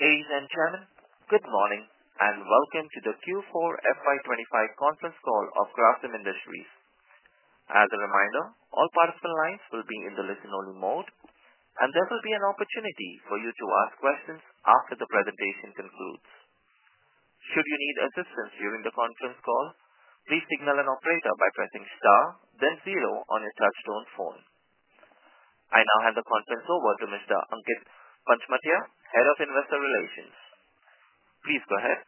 Ladies and gentlemen, good morning and welcome to the Q4 FY 2025 conference call of Grasim Industries. As a reminder, all participant lines will be in the listen-only mode, and there will be an opportunity for you to ask questions after the presentation concludes. Should you need assistance during the conference call, please signal an operator by pressing star, then zero on your touchstone phone. I now hand the conference over to Mr. Ankit Panchmatia, Head of Investor Relations. Please go ahead.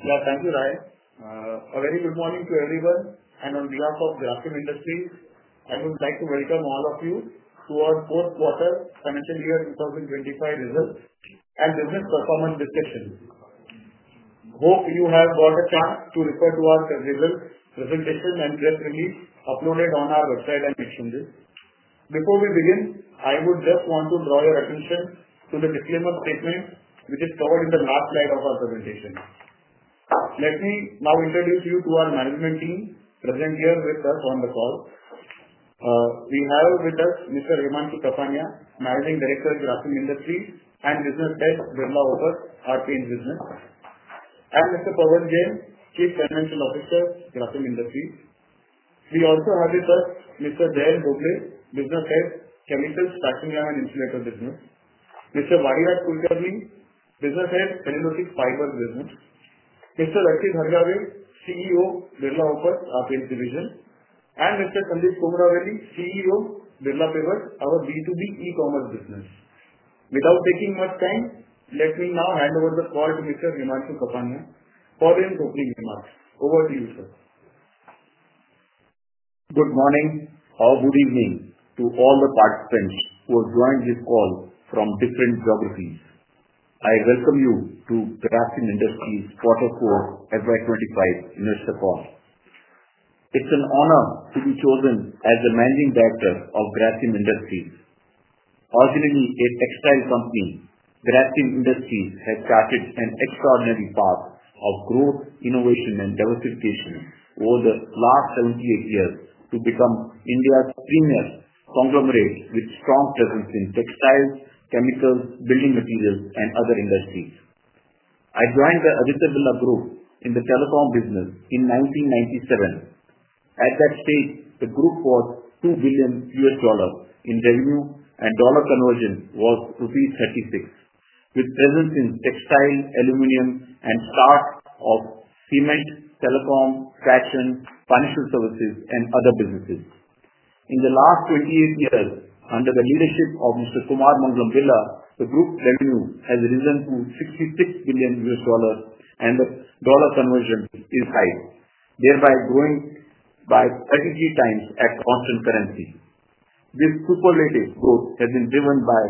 Yeah, thank you, Rahil. A very good morning to everyone, and on behalf of Grasim Industries, I would like to welcome all of you to our fourth quarter financial year 2025 results and business performance discussion. Hope you have got a chance to refer to our results, presentation, and press release uploaded on our website and exchanges. Before we begin, I would just want to draw your attention to the disclaimer statement which is covered in the last slide of our presentation. Let me now introduce you to our management team present here with us on the call. We have with us Mr. Himanshu Kapania, Managing Director of Grasim Industries, and Business Head Devalavakar, RPH Business, and Mr. Pavan Jain, Chief Financial Officer, Grasim Industries. We also have with us Mr. Jayant Dhobley, Business Head, Chemicals, Viscose, and Insulator Business, Mr. Vadiraj Kulkarni, Business Head, Cellulosic Fibers Business, Mr. Rakshit Hargave, CEO, Birla Opus Division, and Mr. Sandeep Kumaraveli, CEO, Birla Pivot, our B2B e-commerce business. Without taking much time, let me now hand over the call to Mr. Himanshu Kapania for his opening remarks. Over to you, sir. Good morning or good evening to all the participants who have joined this call from different geographies. I welcome you to Grasim Industries' quarter four FY 2025 investor call. It's an honor to be chosen as the Managing Director of Grasim Industries. Originally a textile company, Grasim Industries has charted an extraordinary path of growth, innovation, and diversification over the last 78 years to become India's premier conglomerate with strong presence in textiles, chemicals, building materials, and other industries. I joined the Aditya Birla Group in the telecom business in 1997. At that stage, the group was $2 billion in revenue, and dollar conversion was rupee 36, with presence in textile, aluminum, and start of cement, telecom, fashion, financial services, and other businesses. In the last 28 years, under the leadership of Mr. Kumar Mangalam Birla, the group revenue has risen to $66 billion, and the dollar conversion is high, thereby growing by 33x at constant currency. This superlative growth has been driven by,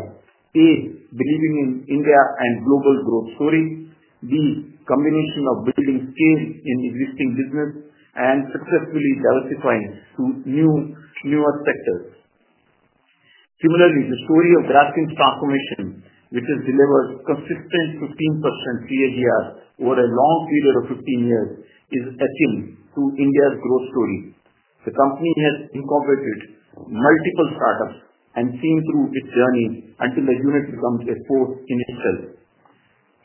A, believing in India and global growth story, B, combination of building scale in existing business, and successfully diversifying to newer sectors. Similarly, the story of Grasim's transformation, which has delivered consistent 15% CAGR over a long period of 15 years, is akin to India's growth story. The company has incorporated multiple startups and seen through its journey until the unit becomes a fourth in itself.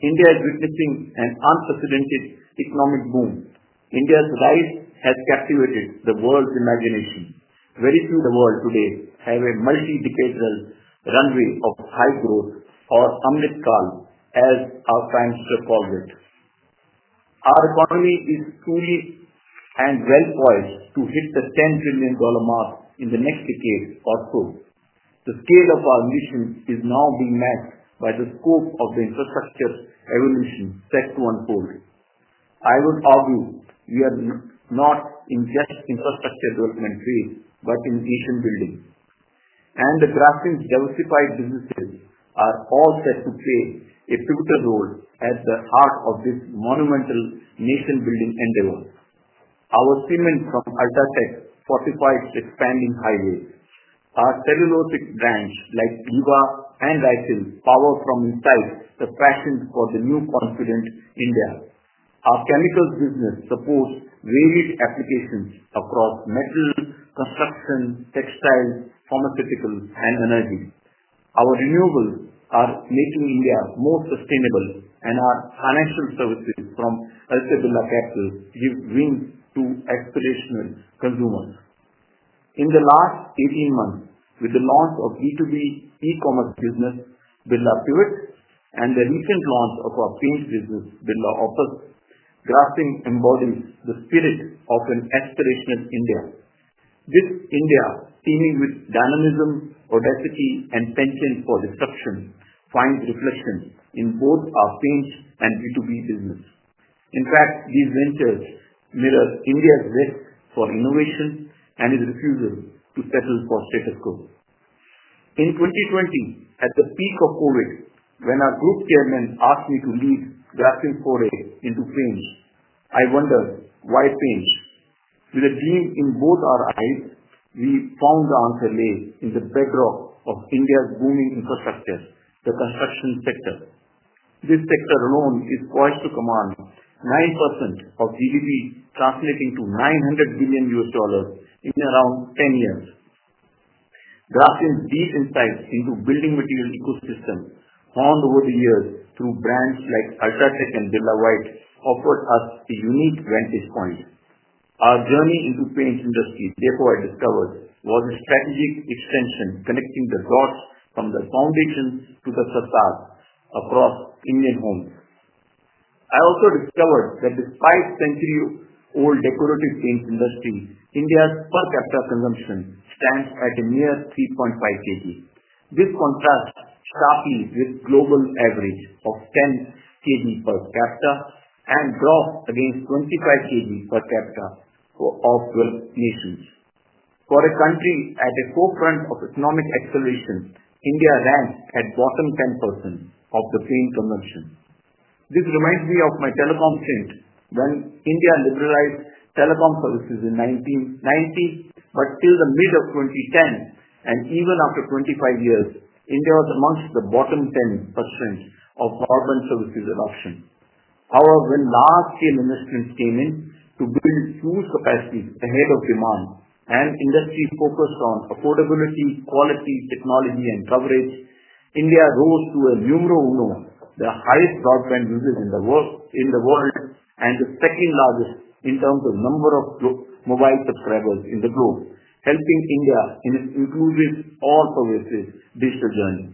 India is witnessing an unprecedented economic boom. India's rise has captivated the world's imagination. Very few in the world today have a multi-decadal runway of high growth, or Amrit Kaal, as our prime minister called it. Our economy is truly well poised to hit the $10 trillion mark in the next decade or so. The scale of our mission is now being matched by the scope of the infrastructure evolution set to unfold. I would argue we are not in just infrastructure development phase, but in nation building. And Grasim's diversified businesses are all set to play a pivotal role at the heart of this monumental nation-building endeavor. Our cement from UltraTech fortifies expanding highways. Our cellulosic brands like Liva and our renewable power fuel the passion for the new confident India. Our chemicals business supports varied applications across metal, construction, textiles, pharmaceuticals, and energy. Our renewables are making India more sustainable, and our financial services from Aditya Birla Capital give wings to aspirational consumers. In the last 18 months, with the launch of B2B e-commerce business Birla Pivot and the recent launch of our paint business Birla Opus, Grasim embodies the spirit of an aspirational India. This India, teeming with dynamism, audacity, and penchant for disruption, finds reflection in both our paint and B2B business. In fact, these ventures mirror India's zest for innovation and its refusal to settle for status quo. In 2020, at the peak of COVID, when our group chairman asked me to lead Grasim foray into paints, I wondered, why paints? With a gleam in both our eyes, we found the answer lay in the bedrock of India's booming infrastructure, the construction sector. This sector alone is poised to command 9% of GDP, translating to $900 billion in around 10 years. Grasim's deep insights into building material ecosystems honed over the years through brands like UltraTech and Birla White offered us a unique vantage point. Our journey into paint industry, therefore I discovered, was a strategic extension connecting the dots from the foundation to the facade across Indian homes. I also discovered that despite century-old decorative paint industry, India's per capita consumption stands at a mere 3.5 kg. This contrasts sharply with the global average of 10 kg per capita and drops against 25 kg per capita of 12 nations. For a country at the forefront of economic acceleration, India ranks at bottom 10% of the paint consumption. This reminds me of my telecom stint when India liberalized telecom services in 1990, but till the mid of 2010, and even after 25 years, India was amongst the bottom 10% of urban services adoption. However, when large-scale investments came in to build huge capacities ahead of demand and industry focused on affordability, quality, technology, and coverage, India rose to a numero uno, the highest broadband usage in the world and the second largest in terms of number of mobile subscribers in the globe, helping India in an inclusive all-purposes digital journey.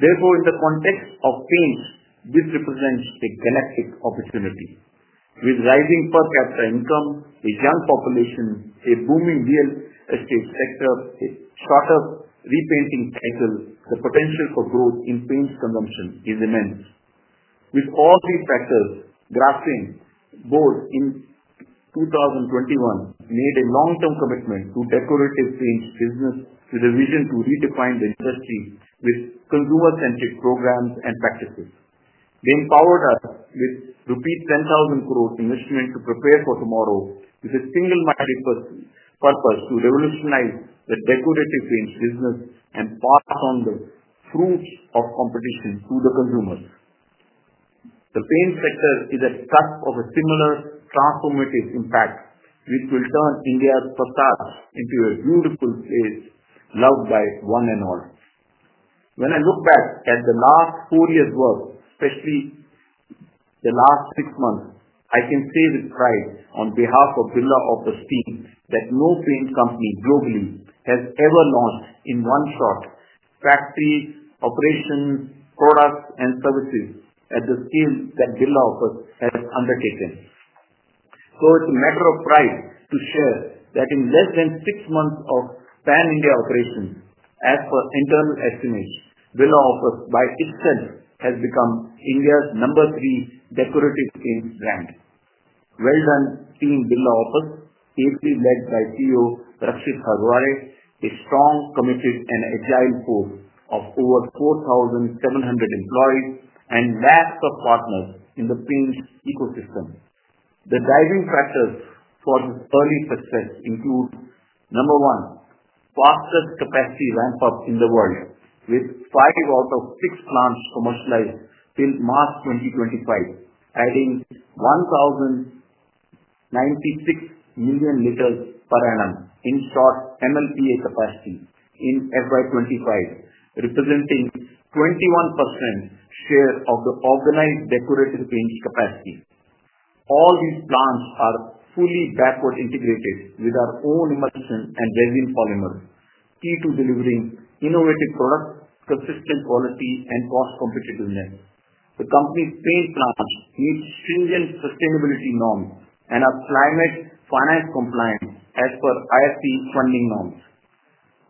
Therefore, in the context of paints, this represents a galactic opportunity. With rising per capita income, a young population, a booming real estate sector, a shorter repainting cycle, the potential for growth in paint consumption is immense. With all these factors, Grasim, both in 2021, made a long-term commitment to decorative paint business with a vision to redefine the industry with consumer-centric programs and practices. They empowered us with repeat rupees 10,000 crore investment to prepare for tomorrow with a single-minded purpose to revolutionize the decorative paint business and pass on the fruits of competition to the consumers. The paint sector is at the cusp of a similar transformative impact which will turn India's facades into a beautiful place loved by one and all. When I look back at the last four years' work, especially the last six months, I can say with pride on behalf of Birla Opus team that no paint company globally has ever launched in one shot factory operation, products, and services at the scale that Birla Opus has undertaken. It is a matter of pride to share that in less than six months of pan-India operations, as per internal estimates, Birla Opus by itself has become India's number three decorative paint brand. Well done, team Birla Opus, ably led by CEO Rakshit Hargave, a strong, committed, and agile force of over 4,700 employees and lakhs of partners in the paint ecosystem. The driving factors for this early success include, number one, fastest capacity ramp-up in the world with five out of six plants commercialized till March 2025, adding 1,096 million liters per annum, in short, MLPA capacity in FY 2025, representing 21% share of the organized decorative paint capacity. All these plants are fully backward integrated with our own emulsion and resin polymer, key to delivering innovative products, consistent quality, and cost competitiveness. The company's paint plants meet stringent sustainability norms and are climate finance compliant as per IFP funding norms.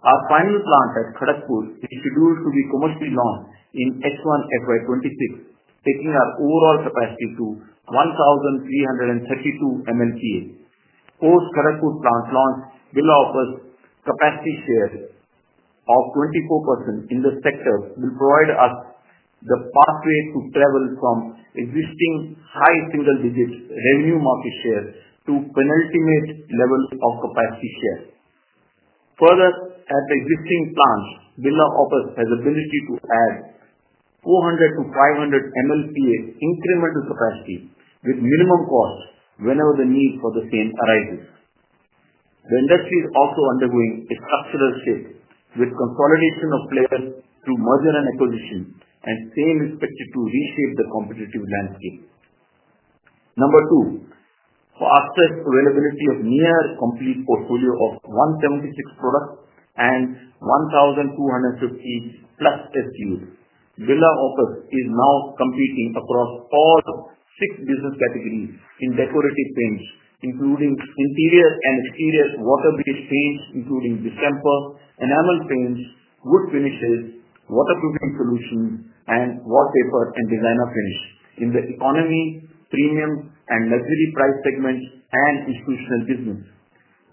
Our final plant at Kharagpur is scheduled to be commercially launched in H1 FY 2026, taking our overall capacity to 1,332 MLPA. Post-Kharagpur plant launch, Birla Opus capacity share of 24% in the sector will provide us the pathway to travel from existing high single-digit revenue market share to penultimate level of capacity share. Further, at the existing plants, Birla Opus has the ability to add 400-500 MLPA incremental capacity with minimum cost whenever the need for the same arises. The industry is also undergoing a structural shift with consolidation of players through merger and acquisition, and same expected to reshape the competitive landscape. Number two, fastest availability of near-complete portfolio of 176 products and 1,250 plus SKUs. Birla Opus is now competing across all six business categories in decorative paints, including interior and exterior water-based paints, including distemper, enamel paints, wood finishes, waterproofing solutions, and wallpaper and designer finish in the economy, premium, and luxury price segments, and institutional business.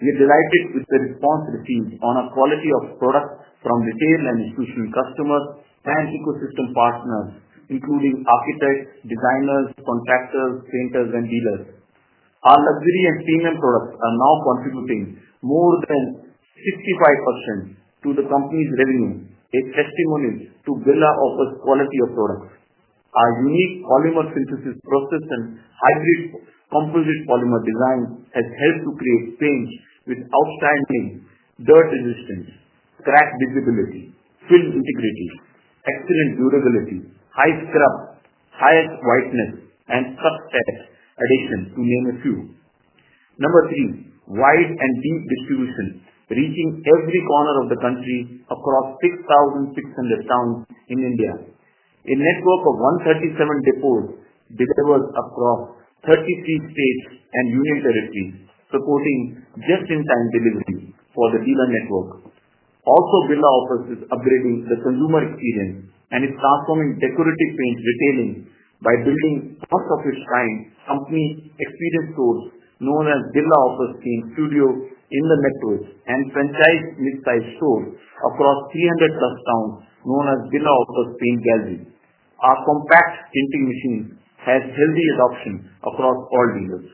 We are delighted with the response received on our quality of products from retail and institutional customers and ecosystem partners, including architects, designers, contractors, painters, and dealers. Our luxury and premium products are now contributing more than 65% to the company's revenue, a testimony to Birla Opus quality of products. Our unique polymer synthesis process and hybrid composite polymer design has helped to create paints with outstanding dirt resistance, crack visibility, film integrity, excellent durability, high scrub, highest whiteness, and tough touch, addition to name a few. Number three, wide and deep distribution reaching every corner of the country across 6,600 towns in India. A network of 137 depots delivers across 33 states and union territories, supporting just-in-time delivery for the dealer network. Also, Birla Opus is upgrading the consumer experience and is transforming decorative paint retailing by building front-office shine company experience stores known as Birla Opus Paint Studio in the metro and franchise midsize stores across 300 plus towns known as Birla Opus Paint Gallery. Our compact printing machines have healthy adoption across all dealers.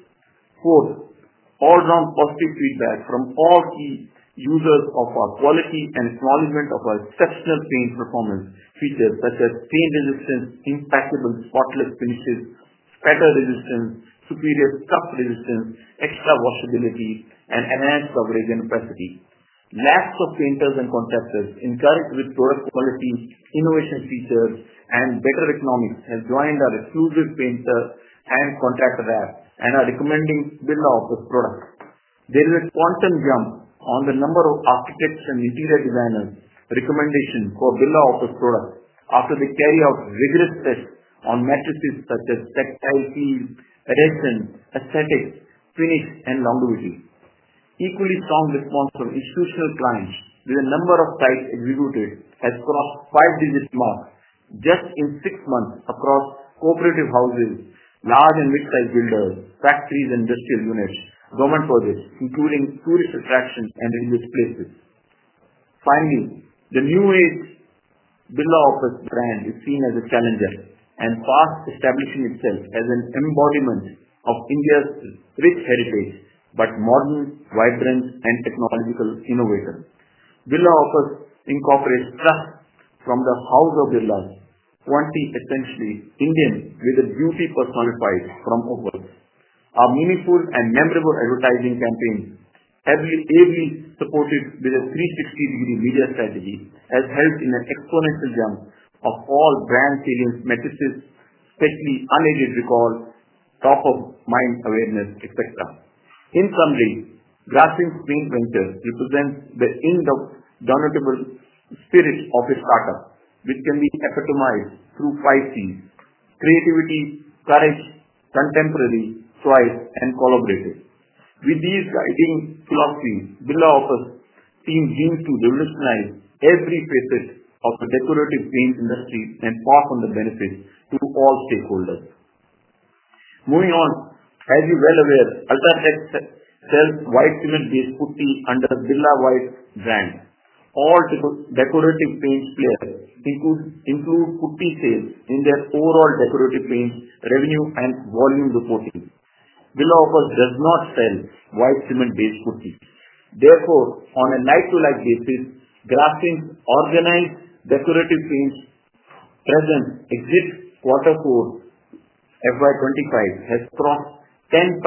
Fourth, all-round positive feedback from all key users of our quality and acknowledgment of our exceptional paint performance features such as paint resistance, impeccable spotless finishes, spatter resistance, superior scuff resistance, extra washability, and enhanced coverage and opacity. Lakhs of painters and contractors encouraged with product quality, innovation features, and better economics have joined our exclusive painter and contractor app and are recommending Birla Opus products. There is a quantum jump on the number of architects and interior designers' recommendation for Birla Opus products after they carry out rigorous tests on matrices such as textile peel, adhesion, aesthetics, finish, and longevity. Equally strong response from institutional clients with a number of sites executed has crossed five-digit marks just in six months across cooperative houses, large and mid-size builders, factories, and industrial units, government projects, including tourist attractions and religious places. Finally, the new age Birla Opus brand is seen as a challenger and fast establishing itself as an embodiment of India's rich heritage but modern, vibrant, and technological innovator. Birla Opus incorporates trust from the house of their loves, 20 essentially Indians with a beauty personified from Opus. Our meaningful and memorable advertising campaign, heavily supported with a 360-degree media strategy, has helped in an exponential jump of all brand salience matrices, especially unaided recall, top-of-mind awareness, etc. In summary, Grasim's paint ventures represent the induct of the notable spirit of a startup which can be epitomized through five C's: creativity, courage, contemporary, choice, and collaborative. With these guiding philosophies, Birla Opus team dreams to revolutionize every facet of the decorative paint industry and pass on the benefits to all stakeholders. Moving on, as you're well aware, UltraTech sells white cement-based putty under Birla White brand. All decorative paint players include putty sales in their overall decorative paint revenue and volume reporting. Birla Opus does not sell white cement-based putty. Therefore, on a like-to-like basis, Grasim's organized decorative paints present exit quarter four FY 2025 has crossed 10%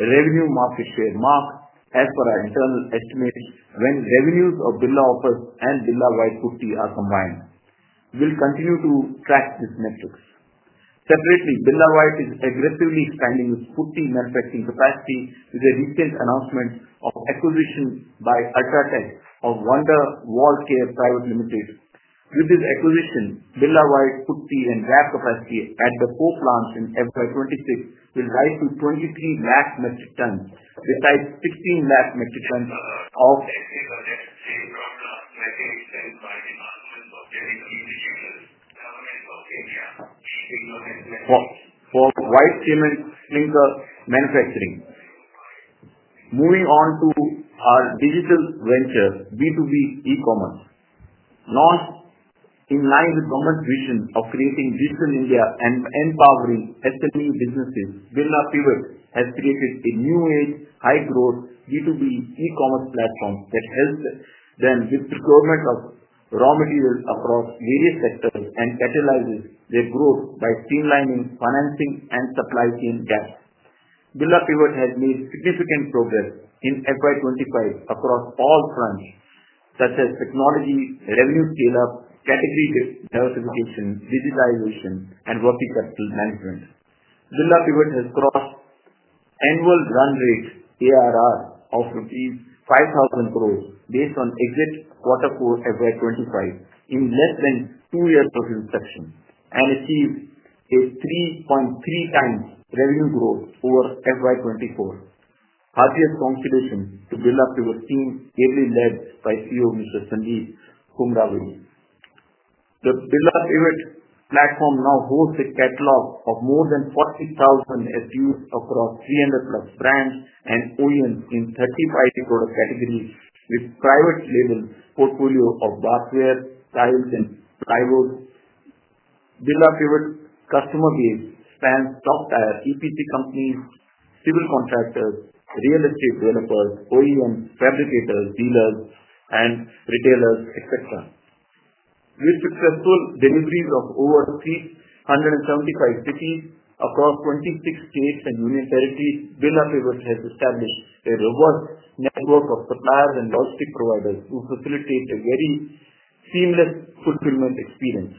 revenue market share mark as per our internal estimates when revenues of Birla Opus and Birla White putty are combined. We'll continue to track these metrics. Separately, Birla White is aggressively expanding its putty manufacturing capacity with a recent announcement of acquisition by UltraTech of Wonder Wall Care Private Limited. With this acquisition, Birla White putty and wrap capacity at the four plants in FY 2026 will rise to 23 lakh metric tons besides 16 lakh metric tons of. Excellent shape from the 2010 prior announcements of various indicators. Government of India keeping those estimates. For white cement clinker manufacturing. Moving on to our digital venture, B2B e-commerce. Launched in line with government's vision of creating digital India and empowering SME businesses, Birla Pivot has created a new age high-growth B2B e-commerce platform that helps them with procurement of raw materials across various sectors and catalyzes their growth by streamlining financing and supply chain gaps. Birla Pivot has made significant progress in FY 2025 across all fronts such as technology, revenue scale-up, category diversification, digitization, and working capital management. Birla Pivot has crossed annual run rate ARR of 5,000 crore rupees based on exit quarter four FY 2025 in less than two years of inflection and achieved a 3.3x revenue growth over FY 2024. Hearty congratulations to Birla Pivot team earlier led by CEO Mr. Sanjeev Kumaraveli. The Birla Pivot platform now holds a catalog of more than 40,000 SKUs across 300 plus brands and audience in 35 product categories with private label portfolio of bathware, tiles, and plywood. Birla Pivot customer base spans top-tier EPC companies, civil contractors, real estate developers, OEMs, fabricators, dealers, and retailers, etc. With successful deliveries in over 375 cities across 26 states and union territories, Birla Pivot has established a robust network of suppliers and logistics providers to facilitate a very seamless fulfillment experience.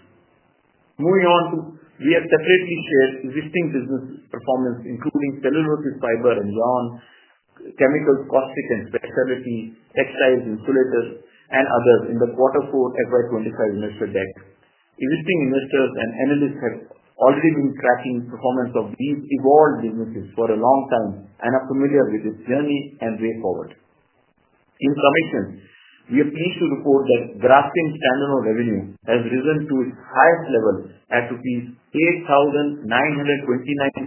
Moving on to, we have separately shared existing business performance including cellulosic fiber and yarn, chemicals, caustic and specialty, textiles, insulators, and others in the quarter four FY 2025 investor deck. Existing investors and analysts have already been tracking performance of these evolved businesses for a long time and are familiar with its journey and way forward. In summation, we are pleased to report that Grasim's standalone revenue has risen to its highest level at rupees 8,929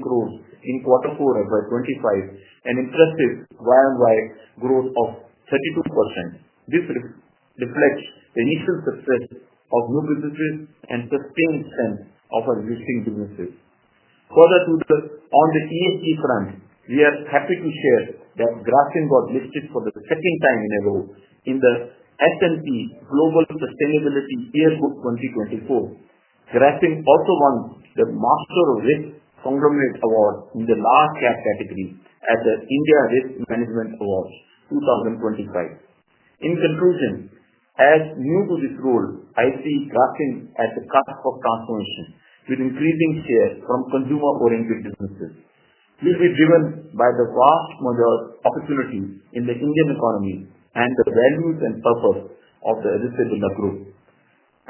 crore in quarter four FY 2025, an impressive Y-on-Y growth of 32%. This reflects the initial success of new businesses and sustained strength of our existing businesses. Further to the on the ESG front, we are happy to share that Grasim got listed for the second time in a row in the S&P Global Sustainability Yearbook 2024. Grasim also won the Master of Risk Conglomerate Award in the last CAP category at the India Risk Management Awards 2025. In conclusion, as new to this role, I see Grasim at the cusp of transformation with increasing share from consumer-oriented businesses. We'll be driven by the vast major opportunities in the Indian economy and the values and purpose of the Aditya Birla Group.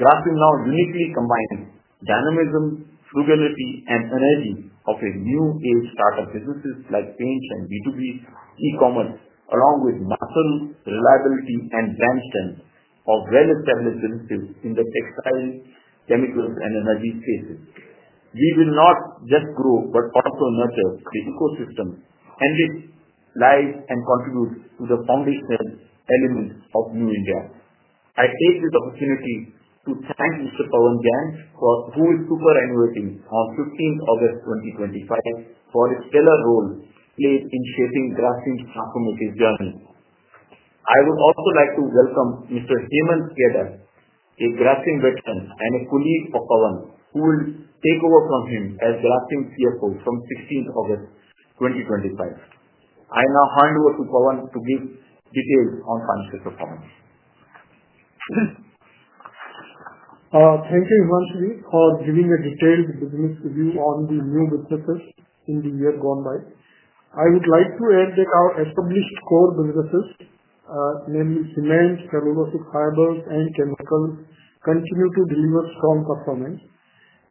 Grasim now uniquely combines dynamism, frugality, and energy of a new age startup businesses like paints and B2B e-commerce along with muscle reliability and brand strength of well-established businesses in the textile, chemicals, and energy spaces. We will not just grow but also nurture the ecosystem, enrich, live, and contribute to the foundational elements of New India. I take this opportunity to thank Mr. Pavan Jain, who is superannuating on 15th August 2025, for his stellar role played in shaping Grasim's transformative journey. I would also like to welcome Mr. Hemant Kedar, a Grasim veteran and a colleague of Pavan, who will take over from him as Grasim CFO from 16th August 2025. I now hand over to Pavan to give details on financial performance. Thank you, Himanshu, for giving a detailed business review on the new businesses in the year gone by. I would like to add that our established core businesses, namely cement, cellulosic fibers, and chemicals, continue to deliver strong performance.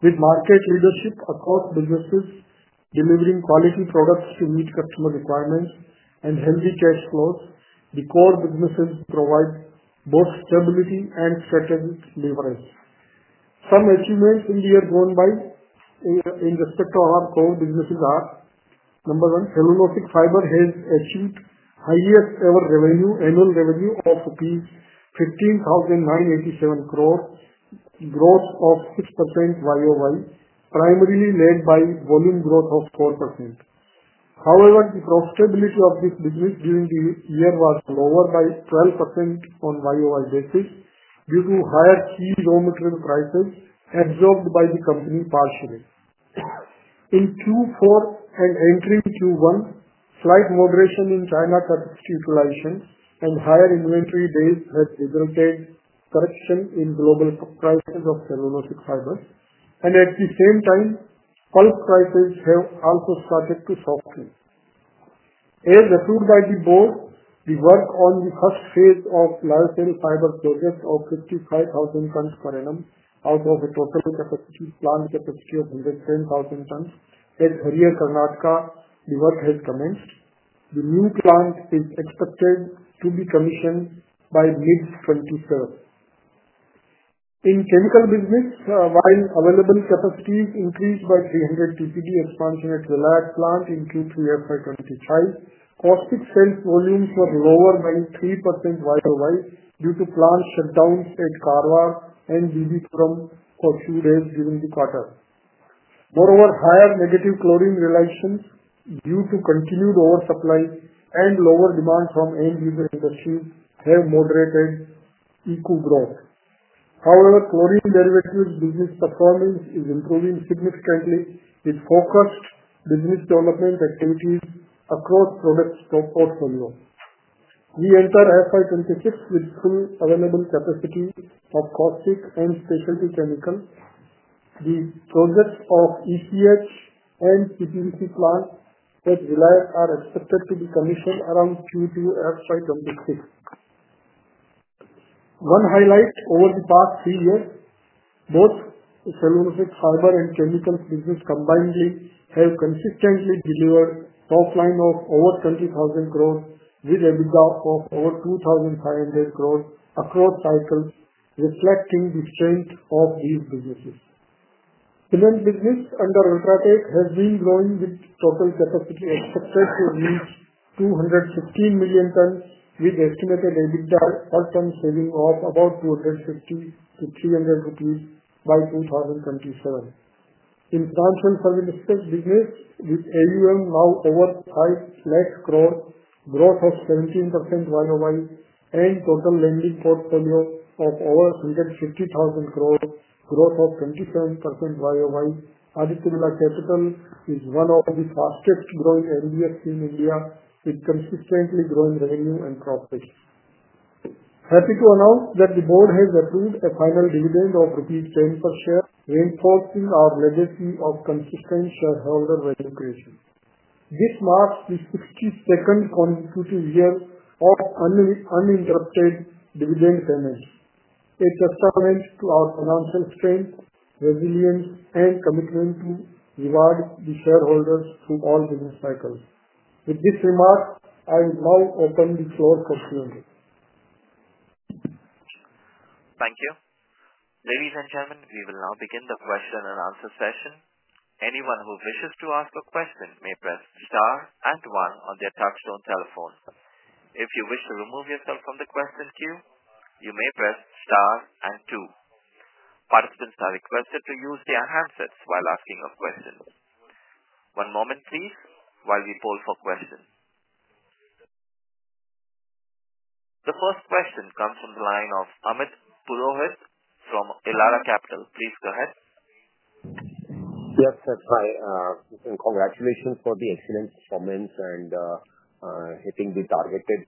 With market leadership across businesses delivering quality products to meet customer requirements and healthy cash flows, the core businesses provide both stability and strategic leverage. Some achievements in the year gone by in respect to our core businesses are: number one, cellulosic fiber has achieved highest ever revenue, annual revenue of 15,987 crore, growth of 6% YOY, primarily led by volume growth of 4%. However, the profitability of this business during the year was lower by 12% on YOY basis due to higher key raw material prices absorbed by the company partially. In Q4 and entering Q1, slight moderation in China capability utilization and higher inventory days have resulted in correction in global prices of cellulosic fibers, and at the same time, pulp prices have also started to soften. As approved by the board, the work on the first phase of Lifecell fiber project of 55,000 tons per annum out of a total planned capacity of 110,000 tons at Harihar, Karnataka, the work has commenced. The new plant is expected to be commissioned by mid-2027. In chemical business, while available capacity increased by 300 TCD expansion at Vilayat plant in Q3 FY 2025, caustic cell volumes were lower by 3% YOY due to plant shutdowns at Karwar and Bibikuram for a few days during the quarter. Moreover, higher negative chlorine realizations due to continued oversupply and lower demand from end-user industries have moderated ECU growth. However, chlorine derivatives business performance is improving significantly with focused business development activities across product portfolio. We enter FY 2026 with full available capacity of caustic and specialty chemicals. The projects of ECH and CPVC plants at Vilayat are expected to be commissioned around Q2 FY 2026. One highlight over the past three years, both cellulosic fiber and chemicals business combinedly have consistently delivered top line of over 20,000 crore with EBITDA of over 2,500 crore across cycles, reflecting the strength of these businesses. Cement business under UltraTech has been growing with total capacity expected to reach 215 million tons with estimated EBITDA per ton saving of about INR 250-INR300 by 2027. In financial services business with AUM now over 5 lakh crore, growth of 17% YOY, and total lending portfolio of over 150,000 crore, growth of 27% YOY, Aditya Birla Capital is one of the fastest growing NBFCs in India with consistently growing revenue and profits. Happy to announce that the board has approved a final dividend of INR 10 per share, reinforcing our legacy of consistent shareholder value creation. This marks the 62nd consecutive year of uninterrupted dividend payments, a testament to our financial strength, resilience, and commitment to reward the shareholders through all business cycles. With this remark, I will now open the floor for Q&A. Thank you. Ladies and gentlemen, we will now begin the question and answer session. Anyone who wishes to ask a question may press star and one on their touchstone telephone. If you wish to remove yourself from the question queue, you may press star and two. Participants are requested to use their handsets while asking a question. One moment, please, while we poll for questions. The first question comes from the line of Amit Purohit from Elara Capital. Please go ahead. Yes, that's right. Congratulations for the excellent performance and hitting the targeted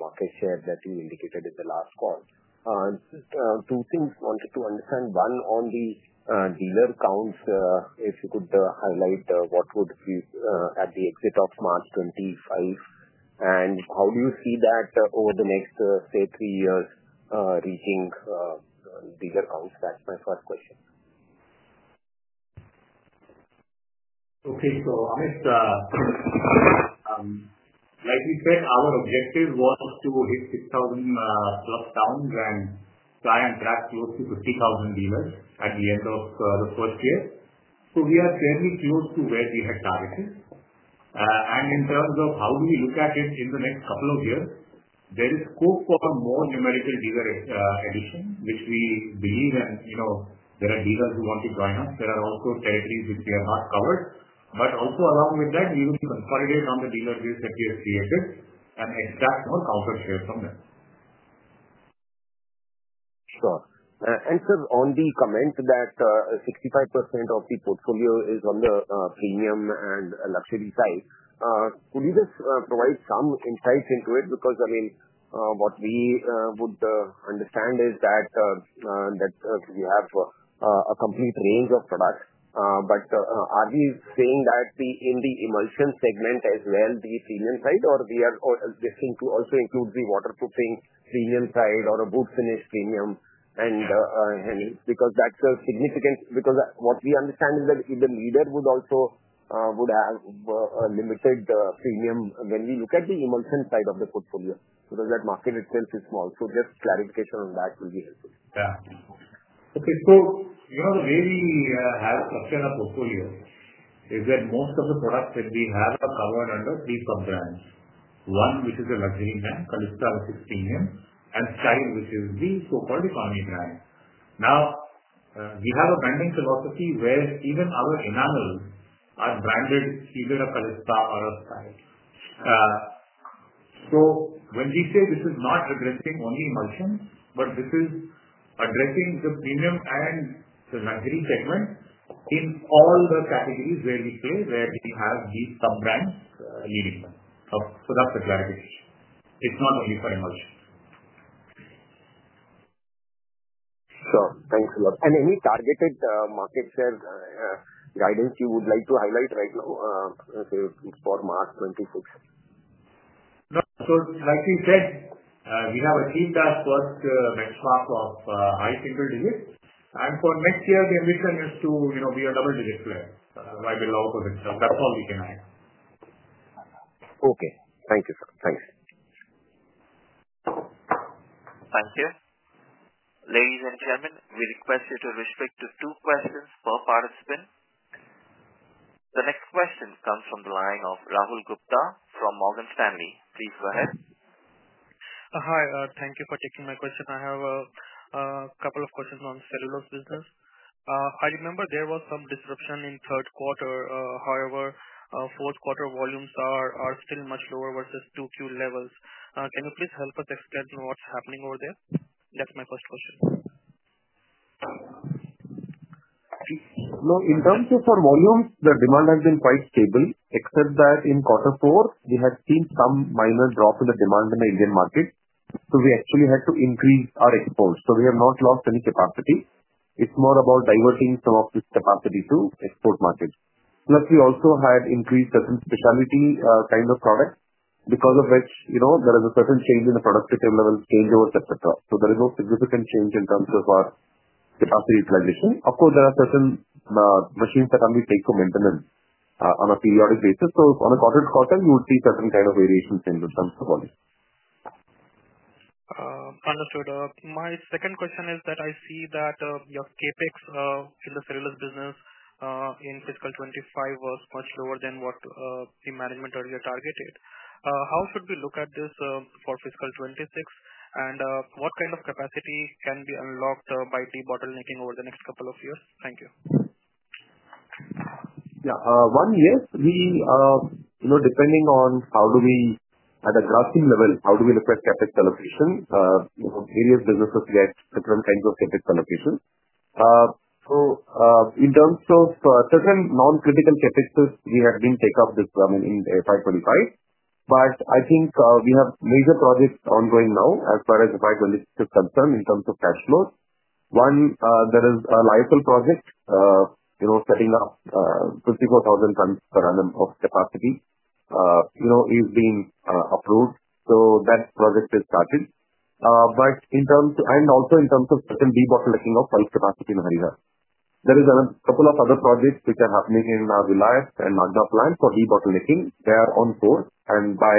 market share that you indicated in the last call. Two things I wanted to understand. One, on the dealer counts, if you could highlight what would be at the exit of March 2025, and how do you see that over the next, say, three years, reaching dealer counts? That's my first question. Okay, so Amit, like you said, our objective was to hit 6,000 plus tons and try and track close to 50,000 dealers at the end of the first year. We are fairly close to where we had targeted. In terms of how do we look at it in the next couple of years, there is scope for more numerical dealer addition, which we believe, and, you know, there are dealers who want to join us. There are also territories which we have not covered, but also along with that, we will consolidate on the dealer base that we have created and extract more counter share from them. Sure. And sir, on the comment that 65% of the portfolio is on the premium and luxury side, could you just provide some insights into it? Because, I mean, what we would understand is that we have a complete range of products, but are we saying that in the emulsion segment as well, the premium side, or we are also thinking to include the waterproofing premium side or a wood finish premium? And, because that is significant, because what we understand is that the leader would also have a limited premium when we look at the emulsion side of the portfolio, because that market itself is small. Just clarification on that will be helpful. Yeah. Okay, so you know the way we have structured our portfolio is that most of the products that we have are covered under three sub-brands: one, which is the luxury brand, Kalista with its premium, and Style, which is the so-called economy brand. Now, we have a branding philosophy where even our enamels are branded either a Kalista or a Style. So when we say this is not addressing only emulsion, but this is addressing the premium and the luxury segment in all the categories where we play, where we have these sub-brands leading them. That is the clarification. It is not only for emulsion. Sure. Thanks a lot. And any targeted market share guidance you would like to highlight right now for March 2026? No. Like you said, we have achieved our first benchmark of high single digits, and for next year, the ambition is to, you know, be a double-digit player. I will lower for the—that's all we can add. Okay. Thank you, sir. Thanks. Thank you. Ladies and gentlemen, we request you to restrict to two questions per participant. The next question comes from the line of Rahul Gupta from Morgan Stanley. Please go ahead. Hi, thank you for taking my question. I have a couple of questions on cellulose business. I remember there was some disruption in third quarter. However, fourth quarter volumes are still much lower versus Q2 levels. Can you please help us explain what's happening over there? That's my first question. No, in terms of our volumes, the demand has been quite stable, except that in quarter four, we had seen some minor drop in the demand in the Indian market. We actually had to increase our exports. We have not lost any capacity. It is more about diverting some of this capacity to export markets. Plus, we also had increased certain specialty, kind of products because of which, you know, there is a certain change in the product table levels, changeovers, etc. There is no significant change in terms of our capacity utilization. Of course, there are certain machines that undertake maintenance on a periodic basis. On a quarter-to-quarter, you would see certain kind of variations in terms of volume. Understood. My second question is that I see that your CapEx in the cellulose business in fiscal 2025 was much lower than what the management earlier targeted. How should we look at this, for fiscal 2026? And, what kind of capacity can be unlocked by debottlenecking over the next couple of years? Thank you. Yeah. One, year, we, you know, depending on how do we—at a Grasim level, how do we look at CapEx allocation? You know, various businesses get different kinds of CapEx allocation. So, in terms of certain non-critical CapExes, we have been take off this, I mean, in FY 2025. I think we have major projects ongoing now as far as FY 2026 is concerned in terms of cash flows. One, there is a Lyocell project, you know, setting up 55,000 tons per annum of capacity, you know, is being approved. So that project is started. In terms of—and also in terms of certain debottlenecking of pulp capacity in Harihar. There is a couple of other projects which are happening in our Vilayat and Nagda plants for debottlenecking. They are on course. By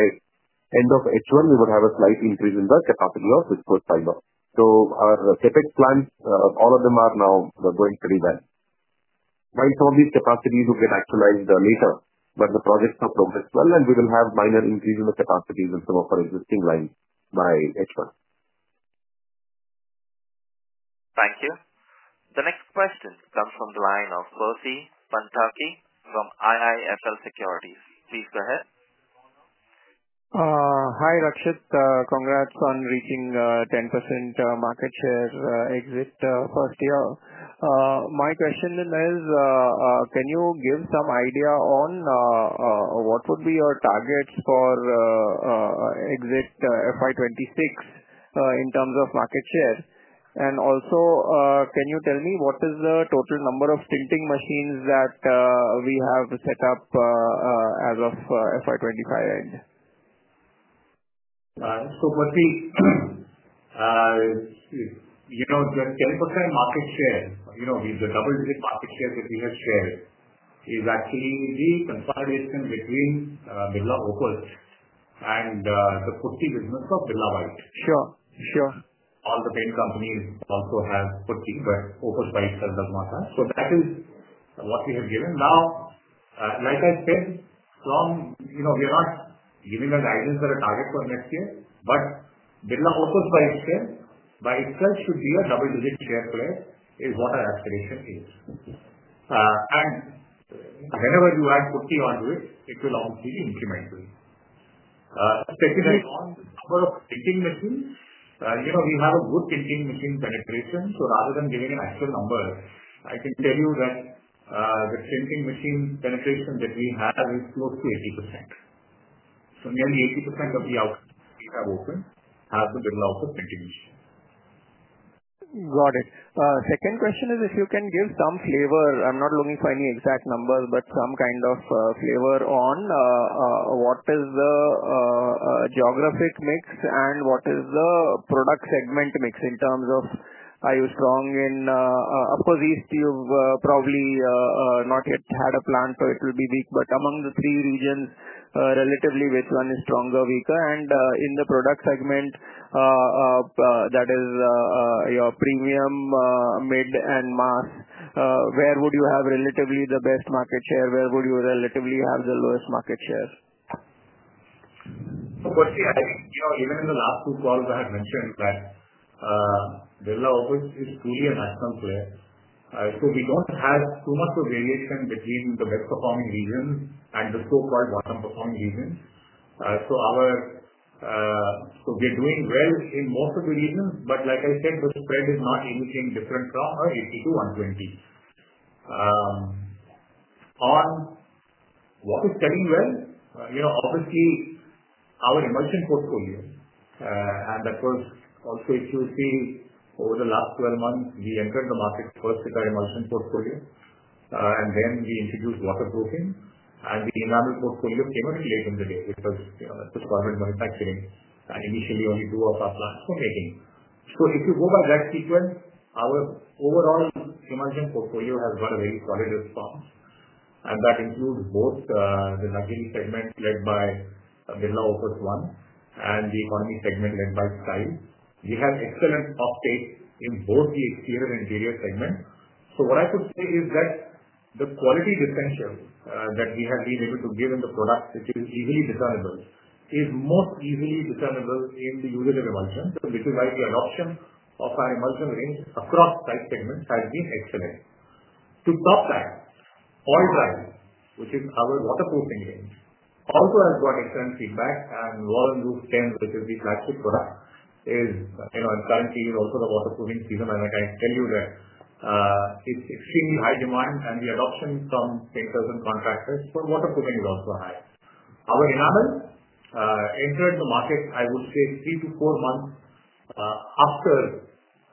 end of H1, we would have a slight increase in the capacity of this first pilot. Our CapEx plants, all of them are now, they're going pretty well. While some of these capacities will get actualized later, the projects have progressed well, and we will have minor increase in the capacities in some of our existing lines by H1. Thank you. The next question comes from the line of Percy Panthaki from IIFL Securities. Please go ahead. Hi Rakshit. Congrats on reaching 10% market share, exit, first year. My question is, can you give some idea on what would be your targets for exit FY 2026 in terms of market share? Also, can you tell me what is the total number of tinting machines that we have set up as of FY 2025 end? Percy, you know, the 10% market share, you know, the double-digit market share that we have shared is actually the consolidation between Birla Opus and the Percy business of Birla White. Sure. Sure. All the paint companies also have Percy, but Opus by itself does not have. That is what we have given. Now, like I said, we are not giving a guidance or a target for next year, but Birla Opus by itself, by itself should be a double-digit share player is what our aspiration is. Whenever you add Percy onto it, it will obviously incrementally. Secondary, on the number of tinting machines, you know, we have a good tinting machine penetration. Rather than giving an actual number, I can tell you that the tinting machine penetration that we have is close to 80%. Nearly 80% of the outlets we have open have the Birla Opus tinting machine. Got it. Second question is if you can give some flavor, I'm not looking for any exact numbers, but some kind of flavor on what is the geographic mix and what is the product segment mix in terms of, are you strong in, of course, east, you've probably not yet had a plant, so it will be weak. Among the three regions, relatively which one is stronger, weaker, and in the product segment, that is, your premium, mid, and mass, where would you have relatively the best market share? Where would you relatively have the lowest market share? Percy, I think, you know, even in the last two calls, I had mentioned that Birla Opus is truly a national player. We do not have too much of a variation between the best-performing regions and the so-called bottom-performing regions. We are doing well in most of the regions, but like I said, the spread is not anything different from 80-120. On what is selling well, you know, obviously our emulsion portfolio, and that was also, if you see over the last 12 months, we entered the market first with our emulsion portfolio, and then we introduced waterproofing, and the enamel portfolio came a bit late in the day because, you know, that was garment manufacturing and initially only two of our plants were making. If you go by that sequence, our overall emulsion portfolio has got a very solid response, and that includes both, the luxury segment led by Birla Opus One and the economy segment led by Style. We have excellent uptake in both the exterior and interior segment. What I could say is that the quality differential, that we have been able to give in the products, which is easily discernible, is most easily discernible in the usage of emulsion. This is why the adoption of our emulsion range across style segments has been excellent. To top that, Oil Dry, which is our waterproofing range, also has got excellent feedback, and Warren Roof 10, which is the plastic product, is, you know, it currently is also the waterproofing season, and I can tell you that it's extremely high demand, and the adoption from painters and contractors for waterproofing is also high. Our enamel entered the market, I would say, three to four months after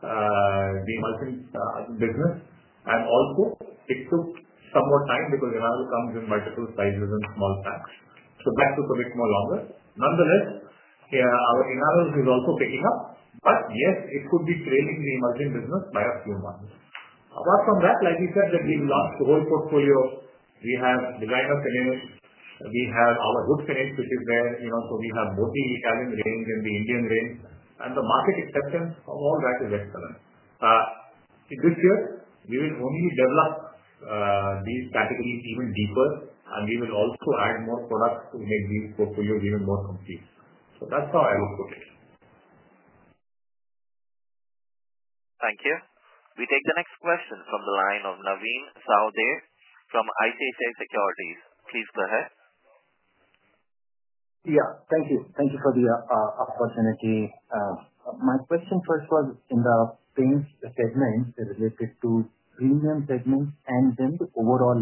the emulsion business, and also it took somewhat time because enamel comes in multiple sizes and small packs, so that took a bit more longer. Nonetheless, our enamels is also picking up, but yes, it could be trailing the emulsion business by a few months. Apart from that, like you said, that we've launched the whole portfolio, we have designer finish, we have our hood finish, which is there, you know, so we have both the Italian range and the Indian range, and the market acceptance of all that is excellent. This year, we will only develop these categories even deeper, and we will also add more products to make these portfolios even more complete. That is how I would put it. Thank you. We take the next question from the line of Navin Sahadeo from ICICI Securities. Please go ahead. Yeah. Thank you. Thank you for the opportunity. My question first was in the paint segment related to premium segment and then the overall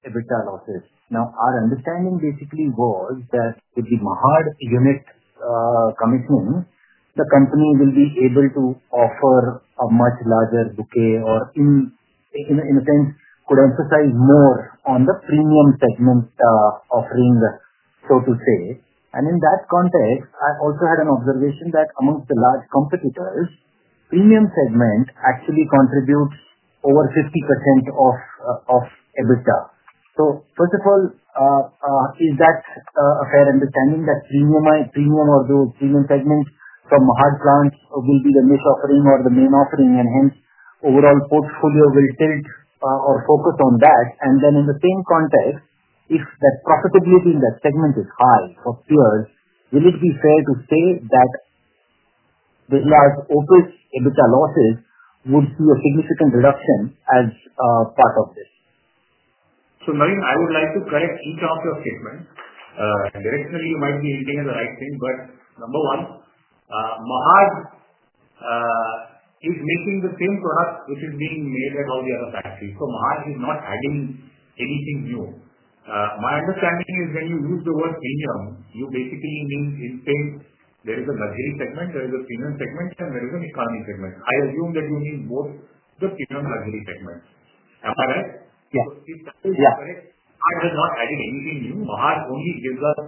EBITDA losses. Now, our understanding basically was that with the Mahad unit commissioning, the company will be able to offer a much larger bouquet or, in a sense, could emphasize more on the premium segment offering, so to say. In that context, I also had an observation that amongst the large competitors, premium segment actually contributes over 50% of EBITDA. First of all, is that a fair understanding that premium or those premium segments from Mahad plants will be the niche offering or the main offering, and hence overall portfolio will tilt or focus on that? In the same context, if that profitability in that segment is high for peers, will it be fair to say that Birla Opus EBITDA losses would see a significant reduction as part of this? Naveen, I would like to correct each of your statements. Directionally, you might be hinting at the right thing, but number one, Mahad is making the same product which is being made at all the other factories. Mahad is not adding anything new. My understanding is when you use the word premium, you basically mean in paint there is a luxury segment, there is a premium segment, and there is an economy segment. I assume that you mean both the premium luxury segment. Am I right? Yeah. If that is correct, Mahad has not added anything new. Mahad only gives us,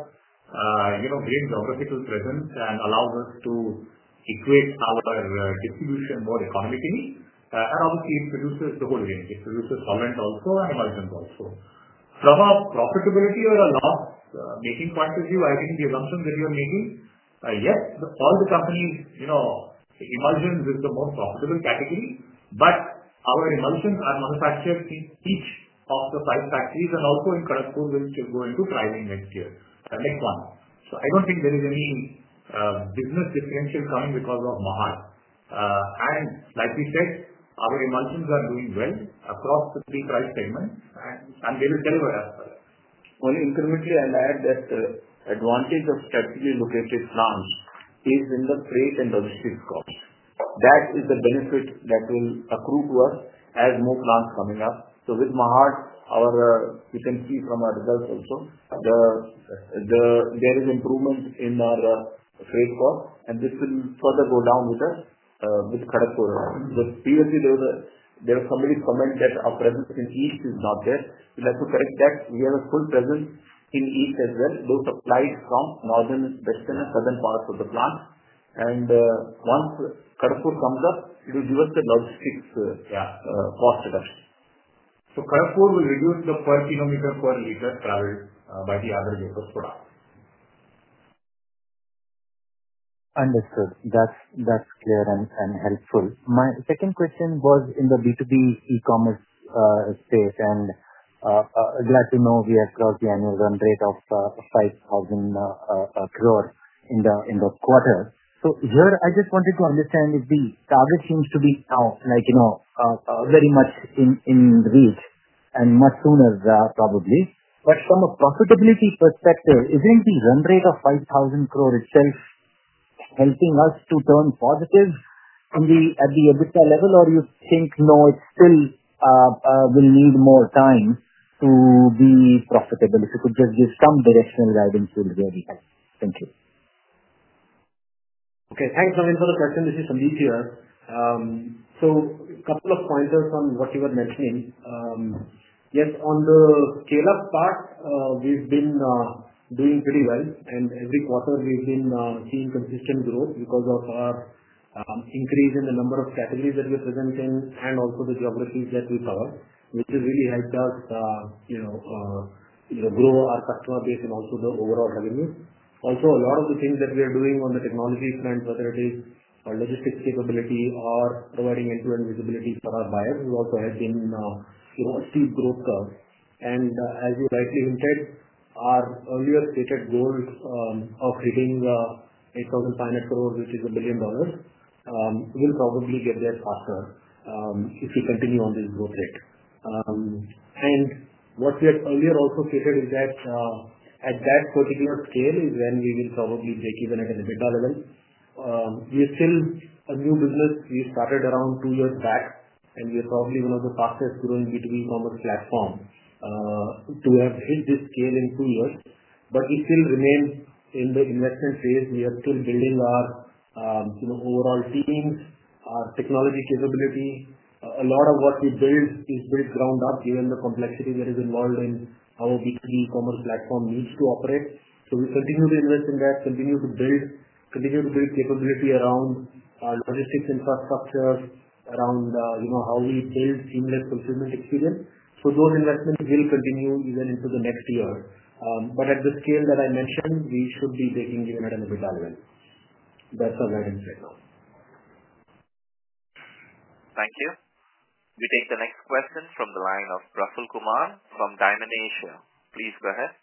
you know, great geographical presence and allows us to equate our distribution more economically. It produces the whole range. It produces solvent also and emulsions also. From a profitability or a loss-making point of view, I think the assumptions that you are making, yes, all the companies, you know, emulsions is the most profitable category, but our emulsions are manufactured in each of the five factories and also in Kharagpur will still go into pricing next year, next month. I do not think there is any business differential coming because of Mahad. Like you said, our emulsions are doing well across the three price segments, and they will deliver as well. Only incrementally, I will add that the advantage of strategically located plants is in the freight and logistics cost. That is the benefit that will accrue to us as more plants coming up. With Mahad, you can see from our results also, there is improvement in our freight cost, and this will further go down with us, with Kharagpur. Previously, there was somebody comment that our presence in east is not there. We'd like to correct that. We have a full presence in east as well. Those applied from northern, western, and southern parts of the plant. Once Kharagpur comes up, it will give us the logistics, cost reduction. Kharagpur will reduce the per kilometer per liter traveled, by the average of us product. Understood. That's clear and helpful. My second question was in the B2B e-commerce space, and glad to know we have crossed the annual run rate of 5,000 crore in the quarter. Here, I just wanted to understand if the target seems to be now, like, you know, very much in reach and much sooner, probably. But from a profitability perspective, is not the run rate of 5,000 crore itself helping us to turn positive at the EBITDA level, or you think, no, it still will need more time to be profitable? If you could just give some directional guidance, it would be very helpful. Thank you. Okay. Thanks, Naveen, for the question. This is Sandeep here. So a couple of pointers on what you were mentioning. Yes, on the scale-up part, we have been doing pretty well, and every quarter we have been seeing consistent growth because of our increase in the number of categories that we are present in and also the geographies that we cover, which has really helped us, you know, grow our customer base and also the overall revenue. Also, a lot of the things that we are doing on the technology front, whether it is our logistics capability or providing end-to-end visibility for our buyers, we also have been, you know, a steep growth curve. As you rightly hinted, our earlier stated goal of hitting the 8,500 crore, which is a billion dollars, will probably get there faster if we continue on this growth rate. What we had earlier also stated is that at that particular scale is when we will probably break even at an EBITDA level. We are still a new business. We started around two years back, and we are probably one of the fastest growing B2B e-commerce platforms to have hit this scale in two years. We still remain in the investment phase. We are still building our, you know, overall teams, our technology capability. A lot of what we build is built ground up given the complexity that is involved in how a B2B e-commerce platform needs to operate. We continue to invest in that, continue to build, continue to build capability around our logistics infrastructure, around, you know, how we build seamless fulfillment experience. Those investments will continue even into the next year. At the scale that I mentioned, we should be breaking even at an EBITDA level. That's our guidance right now. Thank you. We take the next question from the line of Praful Kumar from Dymon Asia. Please go ahead.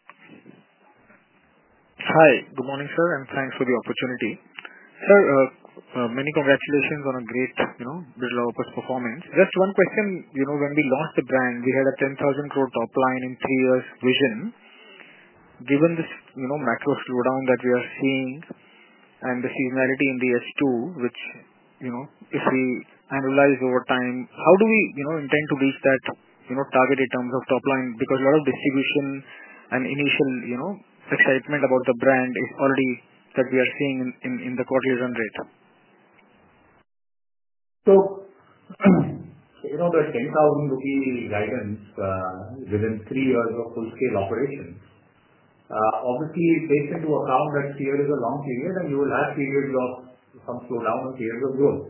Hi. Good morning, sir, and thanks for the opportunity. Sir, many congratulations on a great, you know, Birla Opus performance. Just one question, you know, when we launched the brand, we had a 10,000 crore top line in three years vision. Given this, you know, macro slowdown that we are seeing and the seasonality in the S2, which, you know, if we analyze over time, how do we, you know, intend to reach that, you know, target in terms of top line? Because a lot of distribution and initial, you know, excitement about the brand is already that we are seeing in the quarterly run rate. The INR 10,000 crore guidance, within three years of full-scale operations, obviously takes into account that here is a long period, and you will have periods of some slowdown and periods of growth.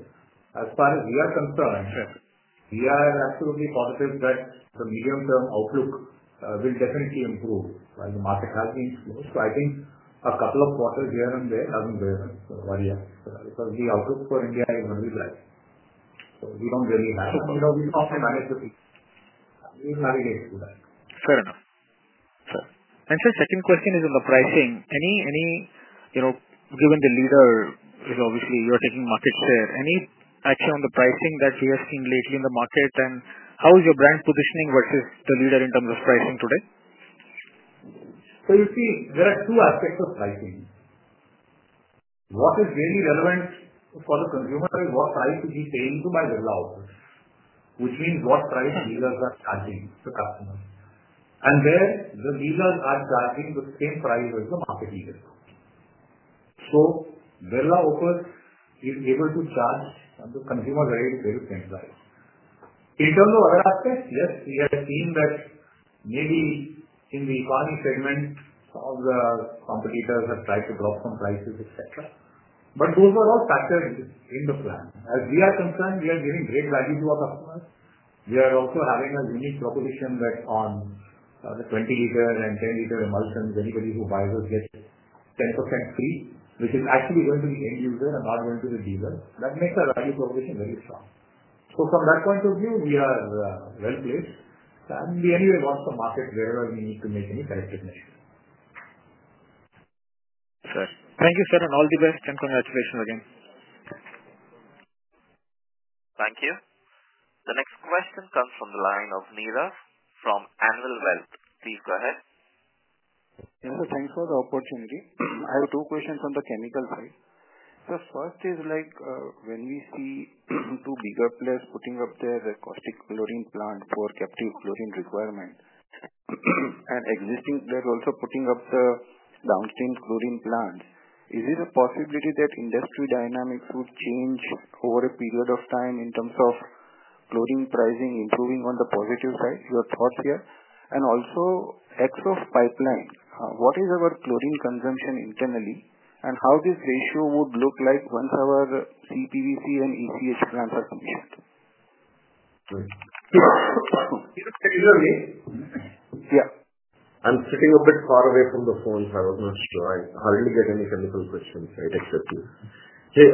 As far as we are concerned, we are absolutely positive that the medium-term outlook will definitely improve while the market has been slow. I think a couple of quarters here and there does not really worry us because the outlook for India is going to be bright. We do not really have to, you know, we manage the things. We will navigate through that. Fair enough. Fair. Sir, second question is on the pricing. Any, any, you know, given the leader is obviously you are taking market share. Any action on the pricing that we have seen lately in the market, and how is your brand positioning versus the leader in terms of pricing today? You see, there are two aspects of pricing. What is really relevant for the consumer is what price is he paying to buy Birla Opus, which means what price dealers are charging the customers. There, the dealers are charging the same price as the market leaders. Birla Opus is able to charge the consumers at a very fair price. In terms of other aspects, yes, we have seen that maybe in the economy segment, some of the competitors have tried to drop some prices, et cetera. Those are all factors in the plan. As we are concerned, we are giving great value to our customers. We are also having a unique proposition that on the 20-liter and 10-liter emulsions, anybody who buys us gets 10% free, which is actually going to the end user and not going to the dealer. That makes our value proposition very strong. From that point of view, we are well placed, and we anyway want to market wherever we need to make any corrective measures. Sir, thank you, sir, and all the best, and congratulations again. Thank you. The next question comes from the line of Nirav from Anvil Wealth. Please go ahead. Yeah, thanks for the opportunity. I have two questions on the chemical side. The first is like, when we see two bigger players putting up their caustic chlorine plant for captive chlorine requirement and existing players also putting up the downstream chlorine plants, is it a possibility that industry dynamics would change over a period of time in terms of chlorine pricing improving on the positive side? Your thoughts here. Also, XOF pipeline, what is our chlorine consumption internally, and how this ratio would look like once our CPVC and ECH plants are commissioned? Yeah. I'm sitting a bit far away from the phone, so I was not sure. I hardly get any chemical questions, right, except you. Hey,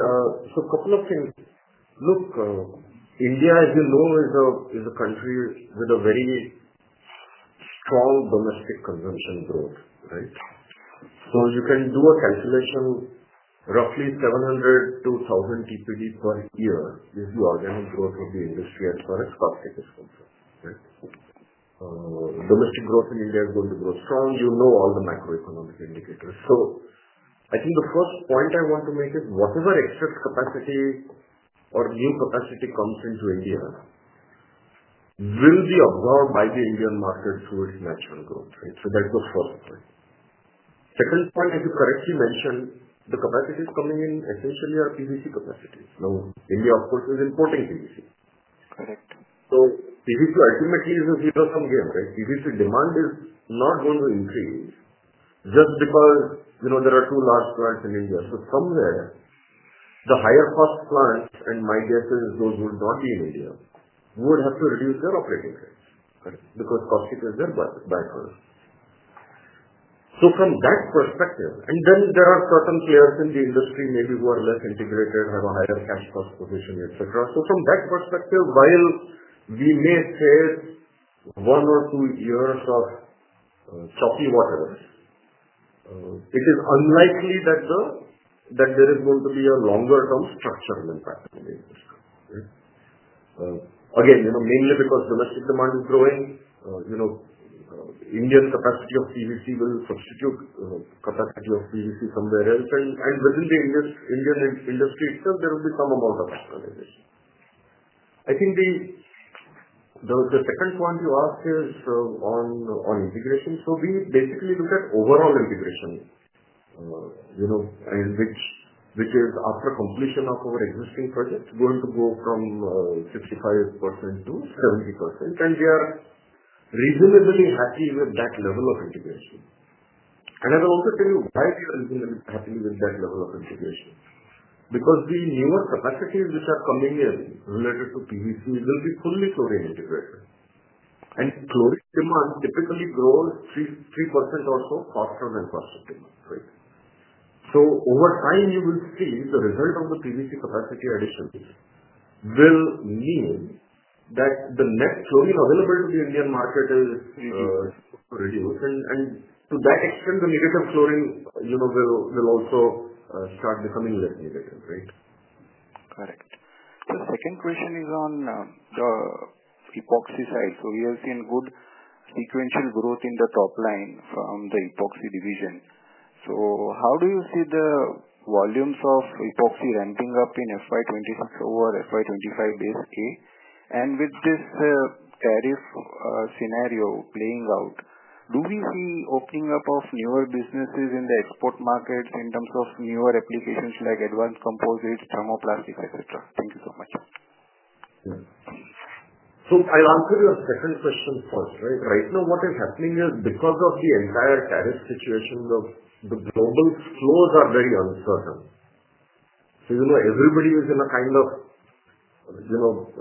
so a couple of things. Look, India, as you know, is a country with a very strong domestic consumption growth, right? You can do a calculation, roughly 700-1,000 TPV per year is the organic growth of the industry as far as cost is concerned, right? Domestic growth in India is going to grow strong. You know all the macroeconomic indicators. I think the first point I want to make is whatever excess capacity or new capacity comes into India will be absorbed by the Indian market through its natural growth, right? That is the first point. Second point, as you correctly mentioned, the capacity is coming in essentially our PVC capacity. Now, India, of course, is importing PVC. Correct. PVC ultimately is a zero-sum game, right? PVC demand is not going to increase just because, you know, there are two large plants in India. Somewhere, the higher-cost plants, and my guess is those will not be in India, would have to reduce their operating rates, right, because cost is their buy first. From that perspective, and then there are certain players in the industry maybe who are less integrated, have a higher cash cost position, et cetera. From that perspective, while we may save one or two years of choppy waters, it is unlikely that there is going to be a longer-term structural impact on the industry, right? Again, you know, mainly because domestic demand is growing, you know, Indian capacity of PVC will substitute capacity of PVC somewhere else. Within the Indian industry itself, there will be some amount of optimization. I think the second point you asked is on integration. We basically look at overall integration, you know, which is after completion of our existing project, going to go from 55% to 70%, and we are reasonably happy with that level of integration. I will also tell you why we are reasonably happy with that level of integration. Because the newer capacities which are coming in related to PVC will be fully chlorine integrated. Chlorine demand typically grows 3%-3% or so faster than caustic demand, right? Over time, you will see the result of the PVC capacity additions will mean that the net chlorine available to the Indian market is reduced. To that extent, the negative chlorine, you know, will also start becoming less negative, right? Correct. The second question is on the epoxy side. We have seen good sequential growth in the top line from the epoxy division. How do you see the volumes of epoxy ramping up in FY 2026 over the FY 2025 base? With this tariff scenario playing out, do we see opening up of newer businesses in the export markets in terms of newer applications like advanced composites, thermoplastics, et cetera? Thank you so much. Yeah. I'll answer your second question first, right? Right now, what is happening is because of the entire tariff situation, the global flows are very uncertain. You know, everybody is in a kind of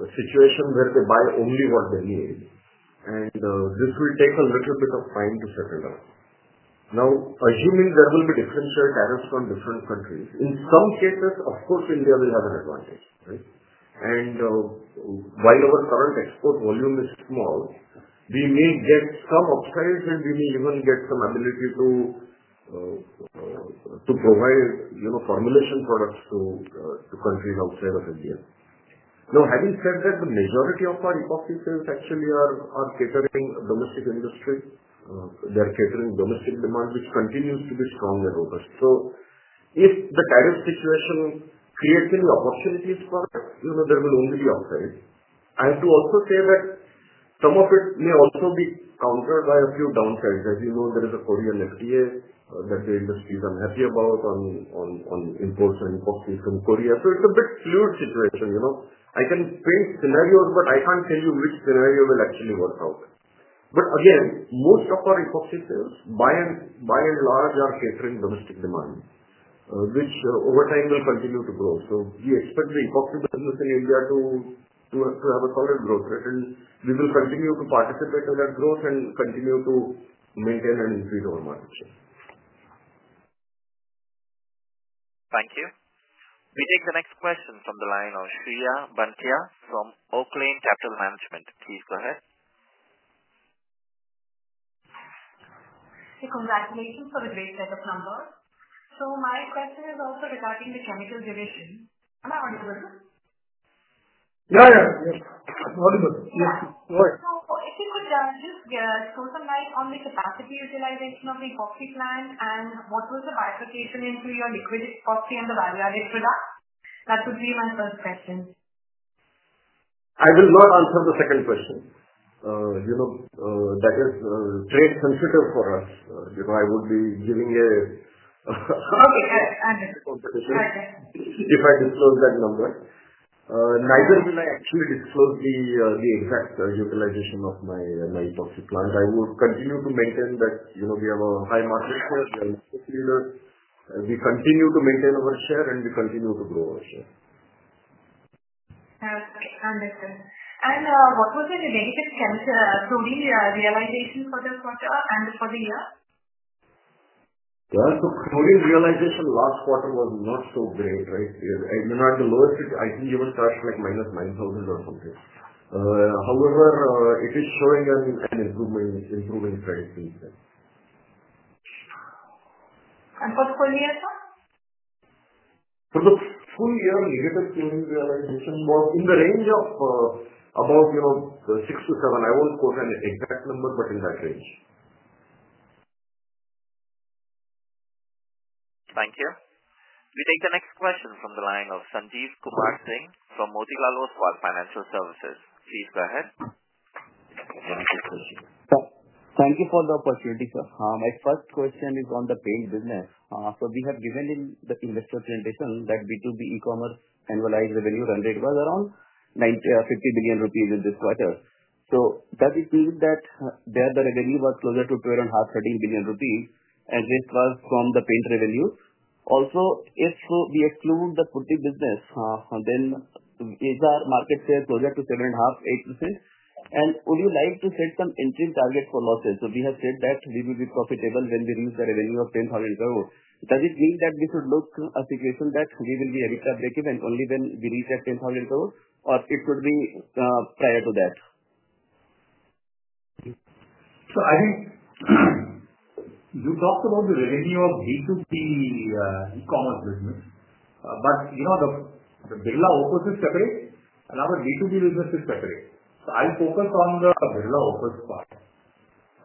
situation where they buy only what they need. This will take a little bit of time to settle down. Now, assuming there will be differential tariffs from different countries, in some cases, of course, India will have an advantage, right? While our current export volume is small, we may get some upsides, and we may even get some ability to provide, you know, formulation products to countries outside of India. Having said that, the majority of our epoxy sales actually are catering to domestic industry. They're catering to domestic demand, which continues to be strong and robust. If the tariff situation creates any opportunities for it, you know, there will only be upsides. I have to also say that some of it may also be countered by a few downsides. As you know, there is a Korean FDA that the industry is unhappy about on imports and epoxy from Korea. It is a bit of a fluid situation, you know. I can paint scenarios, but I can't tell you which scenario will actually work out. Again, most of our epoxy sales, by and large, are catering to domestic demand, which, over time, will continue to grow. We expect the epoxy business in India to have a solid growth rate, and we will continue to participate in that growth and continue to maintain and increase our market share. Thank you. We take the next question from the line of Shreya Banthia from Oak Lane Capital Management. Please go ahead. Hey, congratulations for the great set of numbers. My question is also regarding the chemical division. Am I audible? Yeah, yeah, yes. Audible. Yes. No worries. If you could just focus on the capacity utilization of the epoxy plant and what was the bifurcation into your liquid epoxy and the value-added product? That would be my first question. I will not answer the second question. You know, that is trade-sensitive for us. You know, I would be giving a, okay. I understand. If I disclose that number, neither will I actually disclose the exact utilization of my epoxy plant. I will continue to maintain that, you know, we have a high market share, we are an industry leader. We continue to maintain our share, and we continue to grow our share. Okay. Understood. What was the negative chem, chlorine, realization for the quarter and for the year? Yeah. Chlorine realization last quarter was not so great, right? It's not the lowest it even touched, like, minus 9,000 or something. However, it is showing an improvement, improving trade since then. For the full year, sir? For the full year, negative chlorine realization was in the range of about, you know, 6,000-7,000. I won't quote an exact number, but in that range. Thank you. We take the next question from the line of Sanjeev Kumar Singh from Motilal Oswal Financial Services. Please go ahead. Thank you, sir. Thank you for the opportunity, sir. My first question is on the paint business. So we have given in the investor presentation that B2B e-commerce annualized revenue rendered was around 9.50 billion rupees in this quarter. Does it mean that the revenue was closer to 12.5 billion-13 billion rupees, and this was from the paid revenue? Also, if we exclude the putty business, then is our market share closer to 7.5%-8%? Would you like to set some interim targets for losses? We have said that we will be profitable when we reach the revenue of 10,000 crore. Does it mean that we should look at a situation that we will be a bit abbreviated and only then we reach at 10,000 crore, or it could be prior to that? I think you talked about the revenue of B2B e-commerce business, but, you know, the Birla Opus is separate, and our B2B business is separate. I'll focus on the Birla Opus part.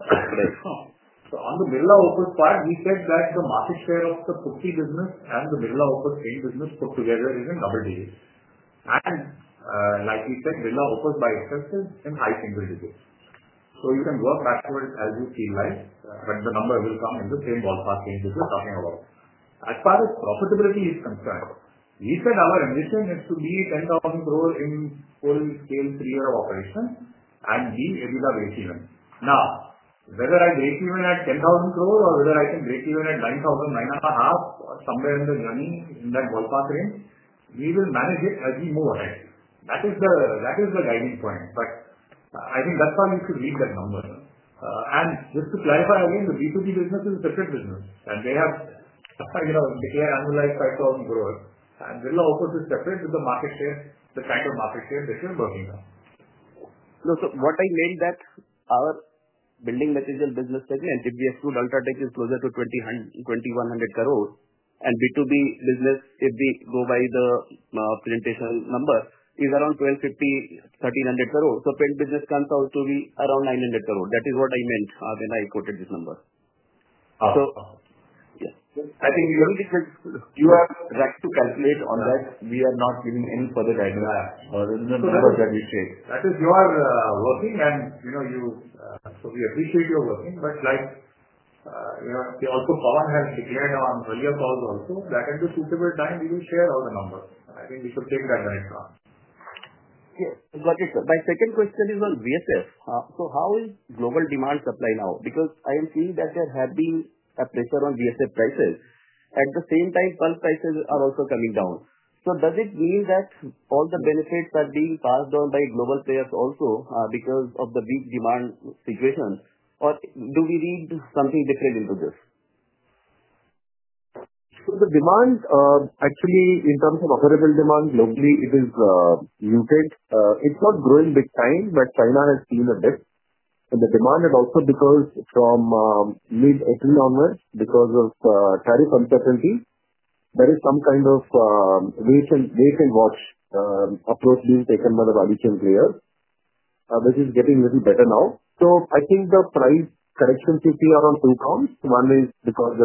On the Birla Opus part, we said that the market share of the putty business and the Birla Opus paint business put together is in double digits. Like we said, Birla Opus by itself is in high single digits. You can work backwards as you see live, but the number will come in the same ballpark range we're talking about. As far as profitability is concerned, we said our ambition is to be 10,000 crore in full-scale three-year operation and be a bit of break-even. Now, whether I break-even at 10,000 crore or whether I can break-even at 9,000, 9 and a half, somewhere in the journey in that ballpark range, we will manage it as we move ahead. That is the, that is the guiding point. I think that's how you should read that number. And just to clarify again, the B2B business is a separate business, and they have, you know, declared annualized INR 5,000 crore, and Birla Opus is separate with the market share, the kind of market share that we're working on. No, so what I meant is that our building material business segment, if we exclude UltraTech, is closer to 2,100 crore, and B2B business, if we go by the presentation number, is around 1,250-1,300 crore. So paint business comes out to be around 900 crore. That is what I meant when I quoted this number. So yeah. I think we do not need to—you have right to calculate on that. We are not giving any further diagnosis or the numbers that we share. That is your working, and, you know, you, so we appreciate your working, but like, you know, we also, Pavan has declared on earlier calls also, that at a suitable time, we will share all the numbers. I think we should take that directly. Okay. My second question is on VSF. So how is global demand supply now? Because I am seeing that there has been a pressure on VSF prices. At the same time, pulp prices are also coming down. Does it mean that all the benefits are being passed on by global players also, because of the weak demand situation, or do we need something different into this? The demand, actually, in terms of operable demand globally, is muted. It's not growing big time, but China has seen a dip. The demand has also decreased from mid-April onwards because of tariff uncertainty. There is some kind of wait-and-watch approach being taken by the value chain players, which is getting a little better now. I think the price corrections you see are on two counts. One is because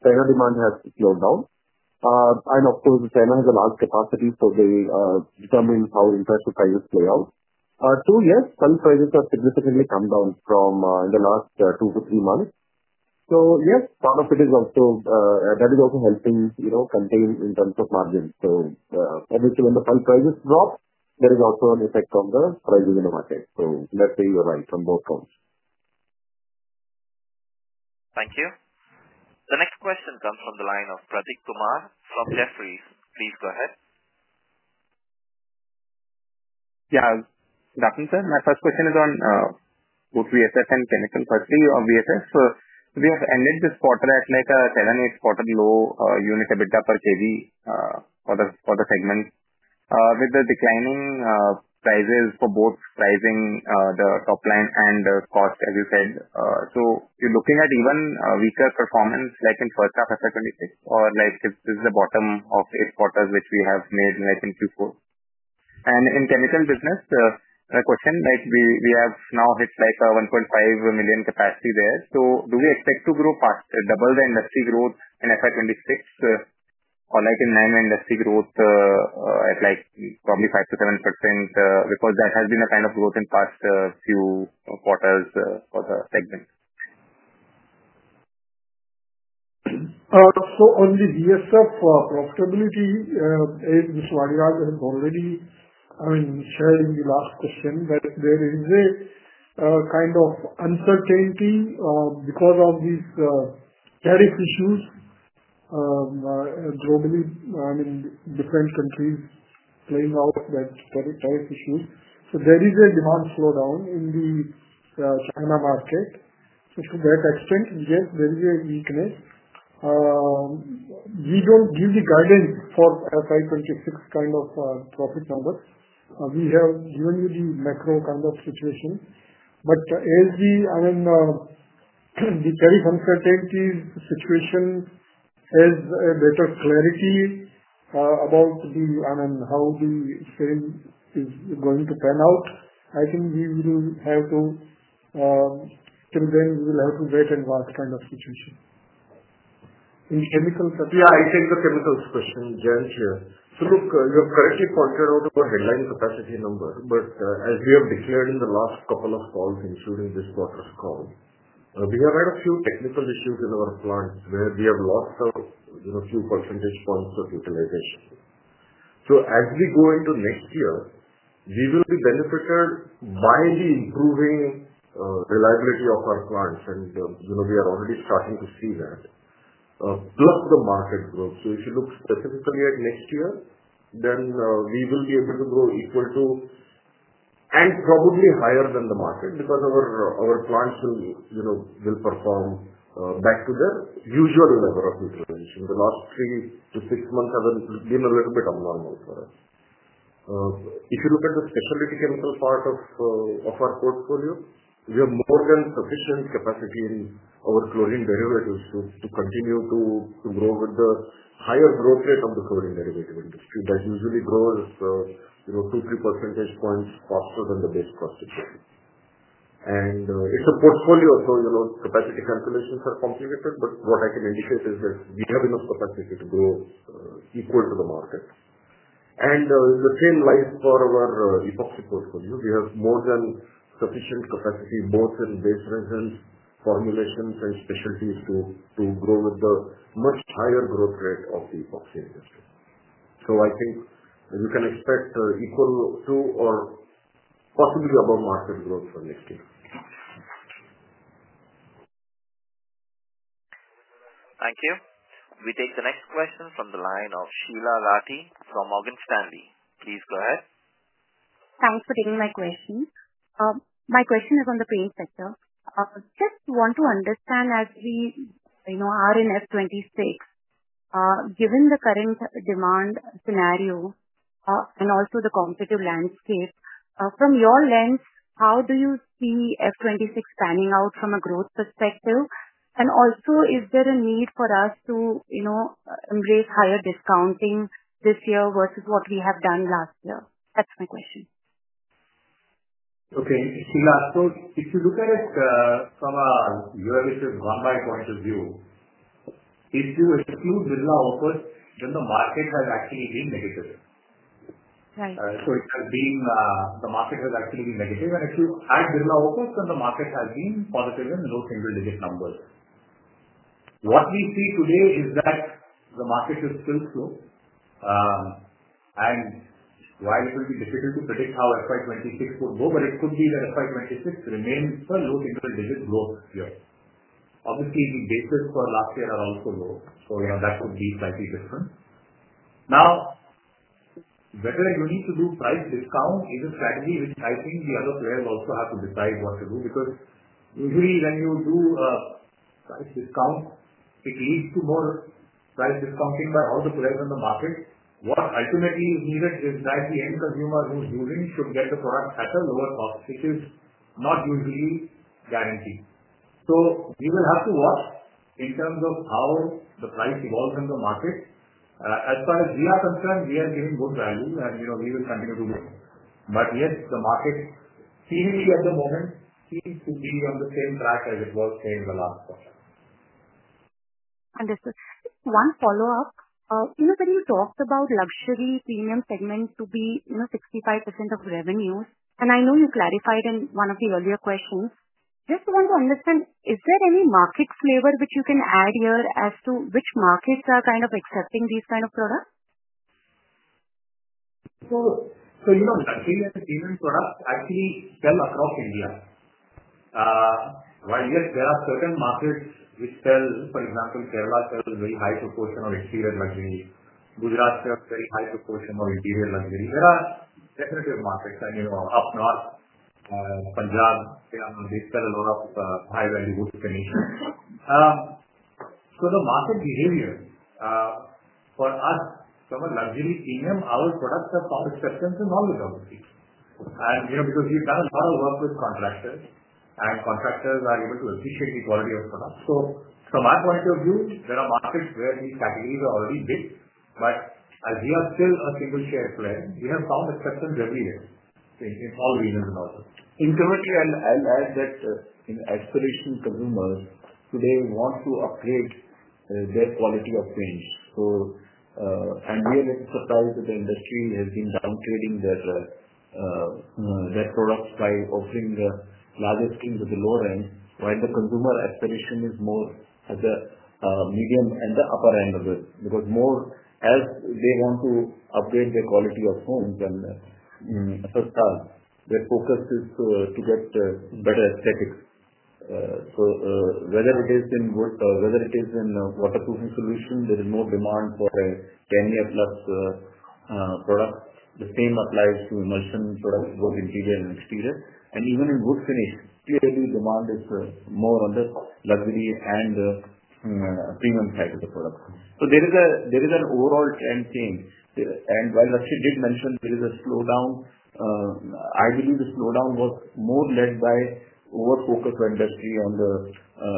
China demand has slowed down. and of course, China has a large capacity, so they determine how, you know, prices play out. Two, yes, pulp prices have significantly come down from, in the last two to three months. Yes, part of it is also, that is also helping, you know, contain in terms of margin. Obviously, when the pulp prices drop, there is also an effect on the prices in the market. Let's say you're right on both counts. Thank you. The next question comes from the line of Prateek Kumar from Jefferies. Please go ahead. Yeah. Nothing, sir. My first question is on both VSF and chemical. Firstly, on VSF. We have ended this quarter at, like, a seven, eight-quarter low, unit EBITDA per KV, for the segment, with the declining prices for both pricing, the top line and the cost, as you said. You're looking at even weaker performance, like, in the first half of FY 2026, or this is the bottom of eight quarters which we have made, like, in Q4. In the chemical business, my question, we have now hit a 1.5 million capacity there. Do we expect to grow past, double the industry growth in FY 2026, or, like, in normal industry growth, at probably 5%-7%, because that has been the kind of growth in past few quarters for the segment? On the VSF profitability, Ms. Vadiraj has already shared in the last question that there is a kind of uncertainty because of these tariff issues globally, different countries playing out that tariff issue. There is a demand slowdown in the China market. To that extent, yes, there is a weakness. We don't give the guidance for FY 2026 kind of profit numbers. We have given you the macro kind of situation. As the, I mean, the tariff uncertainty situation has a better clarity about the, I mean, how the sale is going to pan out, I think we will have to, till then we will have to wait and watch kind of situation. In chemical, yeah, I take the chemicals question Jayant here. Look, you have correctly pointed out our headline capacity number, but as we have declared in the last couple of calls, including this quarter's call, we have had a few technical issues in our plants where we have lost a, you know, few percentage points of utilization. As we go into next year, we will be benefited by the improving reliability of our plants, and, you know, we are already starting to see that, plus the market growth. If you look specifically at next year, then we will be able to grow equal to and probably higher than the market because our plants will, you know, will perform back to their usual level of utilization. The last three to six months have been a little bit abnormal for us. If you look at the specialty chemical part of our portfolio, we have more than sufficient capacity in our chlorine derivatives to continue to grow with the higher growth rate of the chlorine derivative industry that usually grows, you know, 2-3 percentage points faster than the base cost. It is a portfolio, so, you know, capacity calculations are complicated, but what I can indicate is that we have enough capacity to grow, equal to the market. In the same line for our epoxy portfolio, we have more than sufficient capacity both in base resins, formulations, and specialties to grow with the much higher growth rate of the epoxy industry. I think you can expect equal to or possibly above market growth for next year. Thank you. We take the next question from the line of Sheela Rathi from Morgan Stanley. Please go ahead. Thanks for taking my question. My question is on the paint sector. Just want to understand as we, you know, are in F2026, given the current demand scenario, and also the competitive landscape, from your lens, how do you see F2026 panning out from a growth perspective? Also, is there a need for us to, you know, embrace higher discounting this year versus what we have done last year? That's my question. Okay. Sheela, if you look at it, from a UMHS run-by point of view, if you exclude Birla Opus, then the market has actually been negative. Right. It has been, the market has actually been negative. If you add Birla Opus, then the market has been positive in low single-digit numbers. What we see today is that the market is still slow, and while it will be difficult to predict how FY2026 would go, it could be that FY2026 remains a low single-digit growth year. Obviously, the basis for last year are also low, so, you know, that could be slightly different. Now, whether you need to do price discount is a strategy which I think the other players also have to decide what to do because usually when you do a price discount, it leads to more price discounting by all the players in the market. What ultimately is needed is that the end consumer who's using should get the product at a lower cost, which is not usually guaranteed. We will have to watch in terms of how the price evolves in the market. As far as we are concerned, we are giving good value, and, you know, we will continue to do. Yes, the market seemingly at the moment seems to be on the same track as it was in the last quarter. Understood. Just one follow-up. You know, when you talked about luxury premium segment to be, you know, 65% of revenues, and I know you clarified in one of the earlier questions, just want to understand, is there any market flavor which you can add here as to which markets are kind of accepting these kind of products? You know, luxury and premium products actually sell across India. While yes, there are certain markets which sell, for example, Kerala sells a very high proportion of exterior luxury. Gujarat sells a very high proportion of interior luxury. There are definitive markets, and, you know, up north, Punjab, they sell a lot of high-value wood finishes. The market behavior, for us, from a luxury premium, our products have some acceptance in all the luxury. You know, because we've done a lot of work with contractors, and contractors are able to appreciate the quality of products. From our point of view, there are markets where these categories are already big, but as we are still a single-share player, we have found acceptance everywhere in all regions in all over. Incrementally, I'll add that, in aspiration, consumers today want to upgrade their quality of paints. We are a bit surprised that the industry has been downgrading their products by offering the larger screens at the lower end, while the consumer aspiration is more at the medium and the upper end of it because more as they want to upgrade their quality of homes and their focus is to get better aesthetics. Whether it is in wood, whether it is in waterproofing solution, there is more demand for a 10-year plus product. The same applies to emulsion products, both interior and exterior. Even in wood finish, clearly demand is more on the luxury and premium side of the product. There is an overall trend change. While Rakshit did mention there is a slowdown, I believe the slowdown was more led by over-focus of industry on the,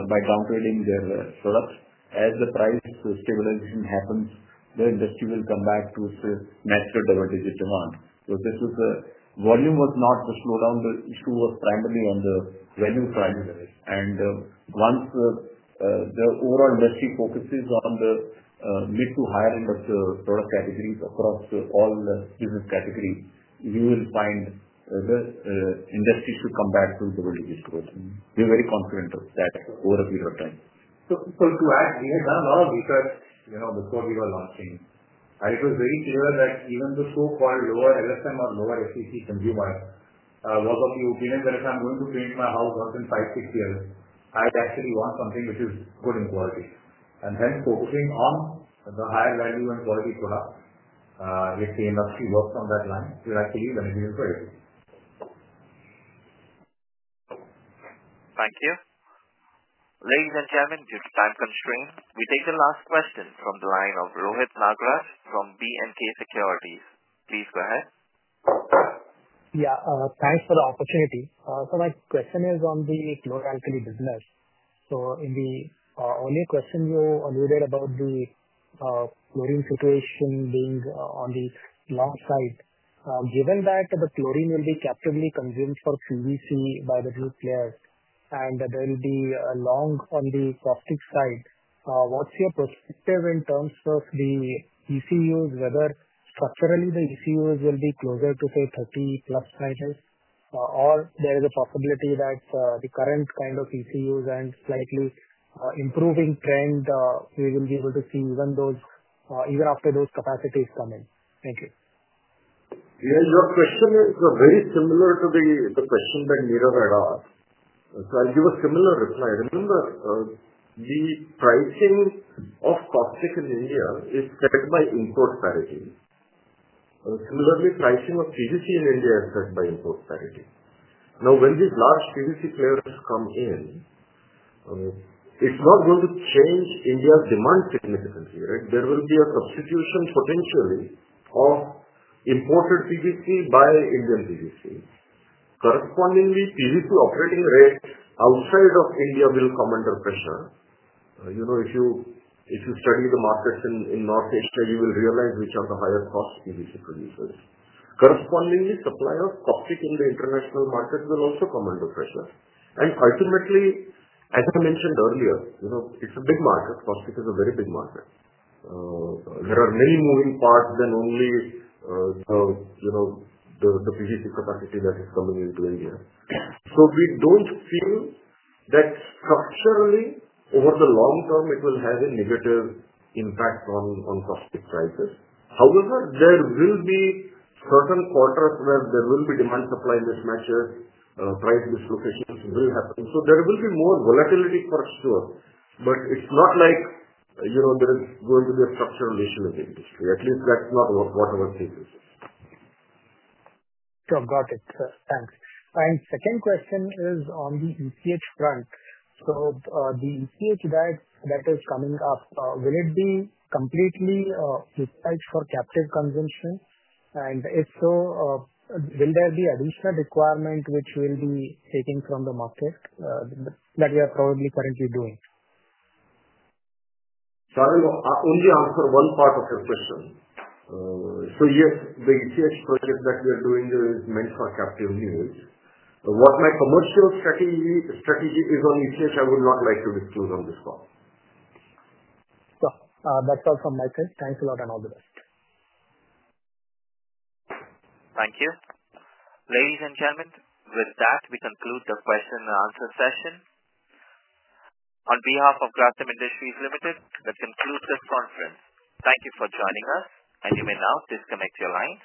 by downgrading their products. As the price stabilization happens, the industry will come back to its natural double-digit demand. The volume was not the slowdown. The issue was primarily on the value drive. Once the overall industry focuses on the mid to higher-end of the product categories across all the business categories, you will find the industry should come back to double-digit growth. We are very confident of that over a period of time. To add, we had done a lot of research, you know, before we were launching, and it was very clear that even the so-called lower LSM or lower FCC consumer was of the opinion that if I'm going to paint my house once in five, six years, I actually want something which is good in quality. Hence, focusing on the higher value and quality products, if the industry works on that line, we'll actually benefit for it. Thank you. Ladies and gentlemen, due to time constraint, we take the last question from the line of Rohit Nagraj from BNK Securities. Please go ahead. Yeah, thanks for the opportunity. My question is on the chlorine alchemy business. In the earlier question, you alluded about the chlorine situation being on the long side. Given that the chlorine will be captively consumed for CPVC by the group players, and there will be a long on the cost side, what's your perspective in terms of the ECUs, whether structurally the ECUs will be closer to, say, 30-plus prices, or there is a possibility that the current kind of ECUs and slightly improving trend, we will be able to see even those, even after those capacities come in? Thank you. Yeah, your question is very similar to the question that Mira had asked. So I'll give a similar reply. Remember, the pricing of caustic in India is set by import parity. Similarly, pricing of CPVC in India is set by import parity. Now, when these large CPVC players come in, it's not going to change India's demand significantly, right? There will be a substitution potentially of imported PVC by Indian PVC. Correspondingly, PVC operating rate outside of India will come under pressure. You know, if you study the markets in North Asia, you will realize which are the higher cost PVC producers. Correspondingly, supply of caustic in the international market will also come under pressure. Ultimately, as I mentioned earlier, you know, it's a big market. Caustic is a very big market. There are many moving parts than only, you know, the PVC capacity that is coming into India. We do not feel that structurally over the long term, it will have a negative impact on caustic prices. However, there will be certain quarters where there will be demand-supply mismatches, price dislocations will happen. There will be more volatility for sure, but it's not like, you know, there is going to be a structural issue in the industry. At least that's not what our thesis is. Sure. Got it. Thanks. Second question is on the ECH front. The ECH that is coming up, will it be completely replaced for captive consumption? If so, will there be additional requirement which will be taken from the market, that we are probably currently doing? Sorry, I only answer one part of your question. Yes, the ECH project that we are doing is meant for captive needs. What my commercial strategy is on ECH, I would not like to disclose on this call. Sure. That's all from my side. Thanks a lot and all the best. Thank you. Ladies and gentlemen, with that, we conclude the question and answer session. On behalf of Grasim Industries, that concludes this conference. Thank you for joining us, and you may now disconnect your line.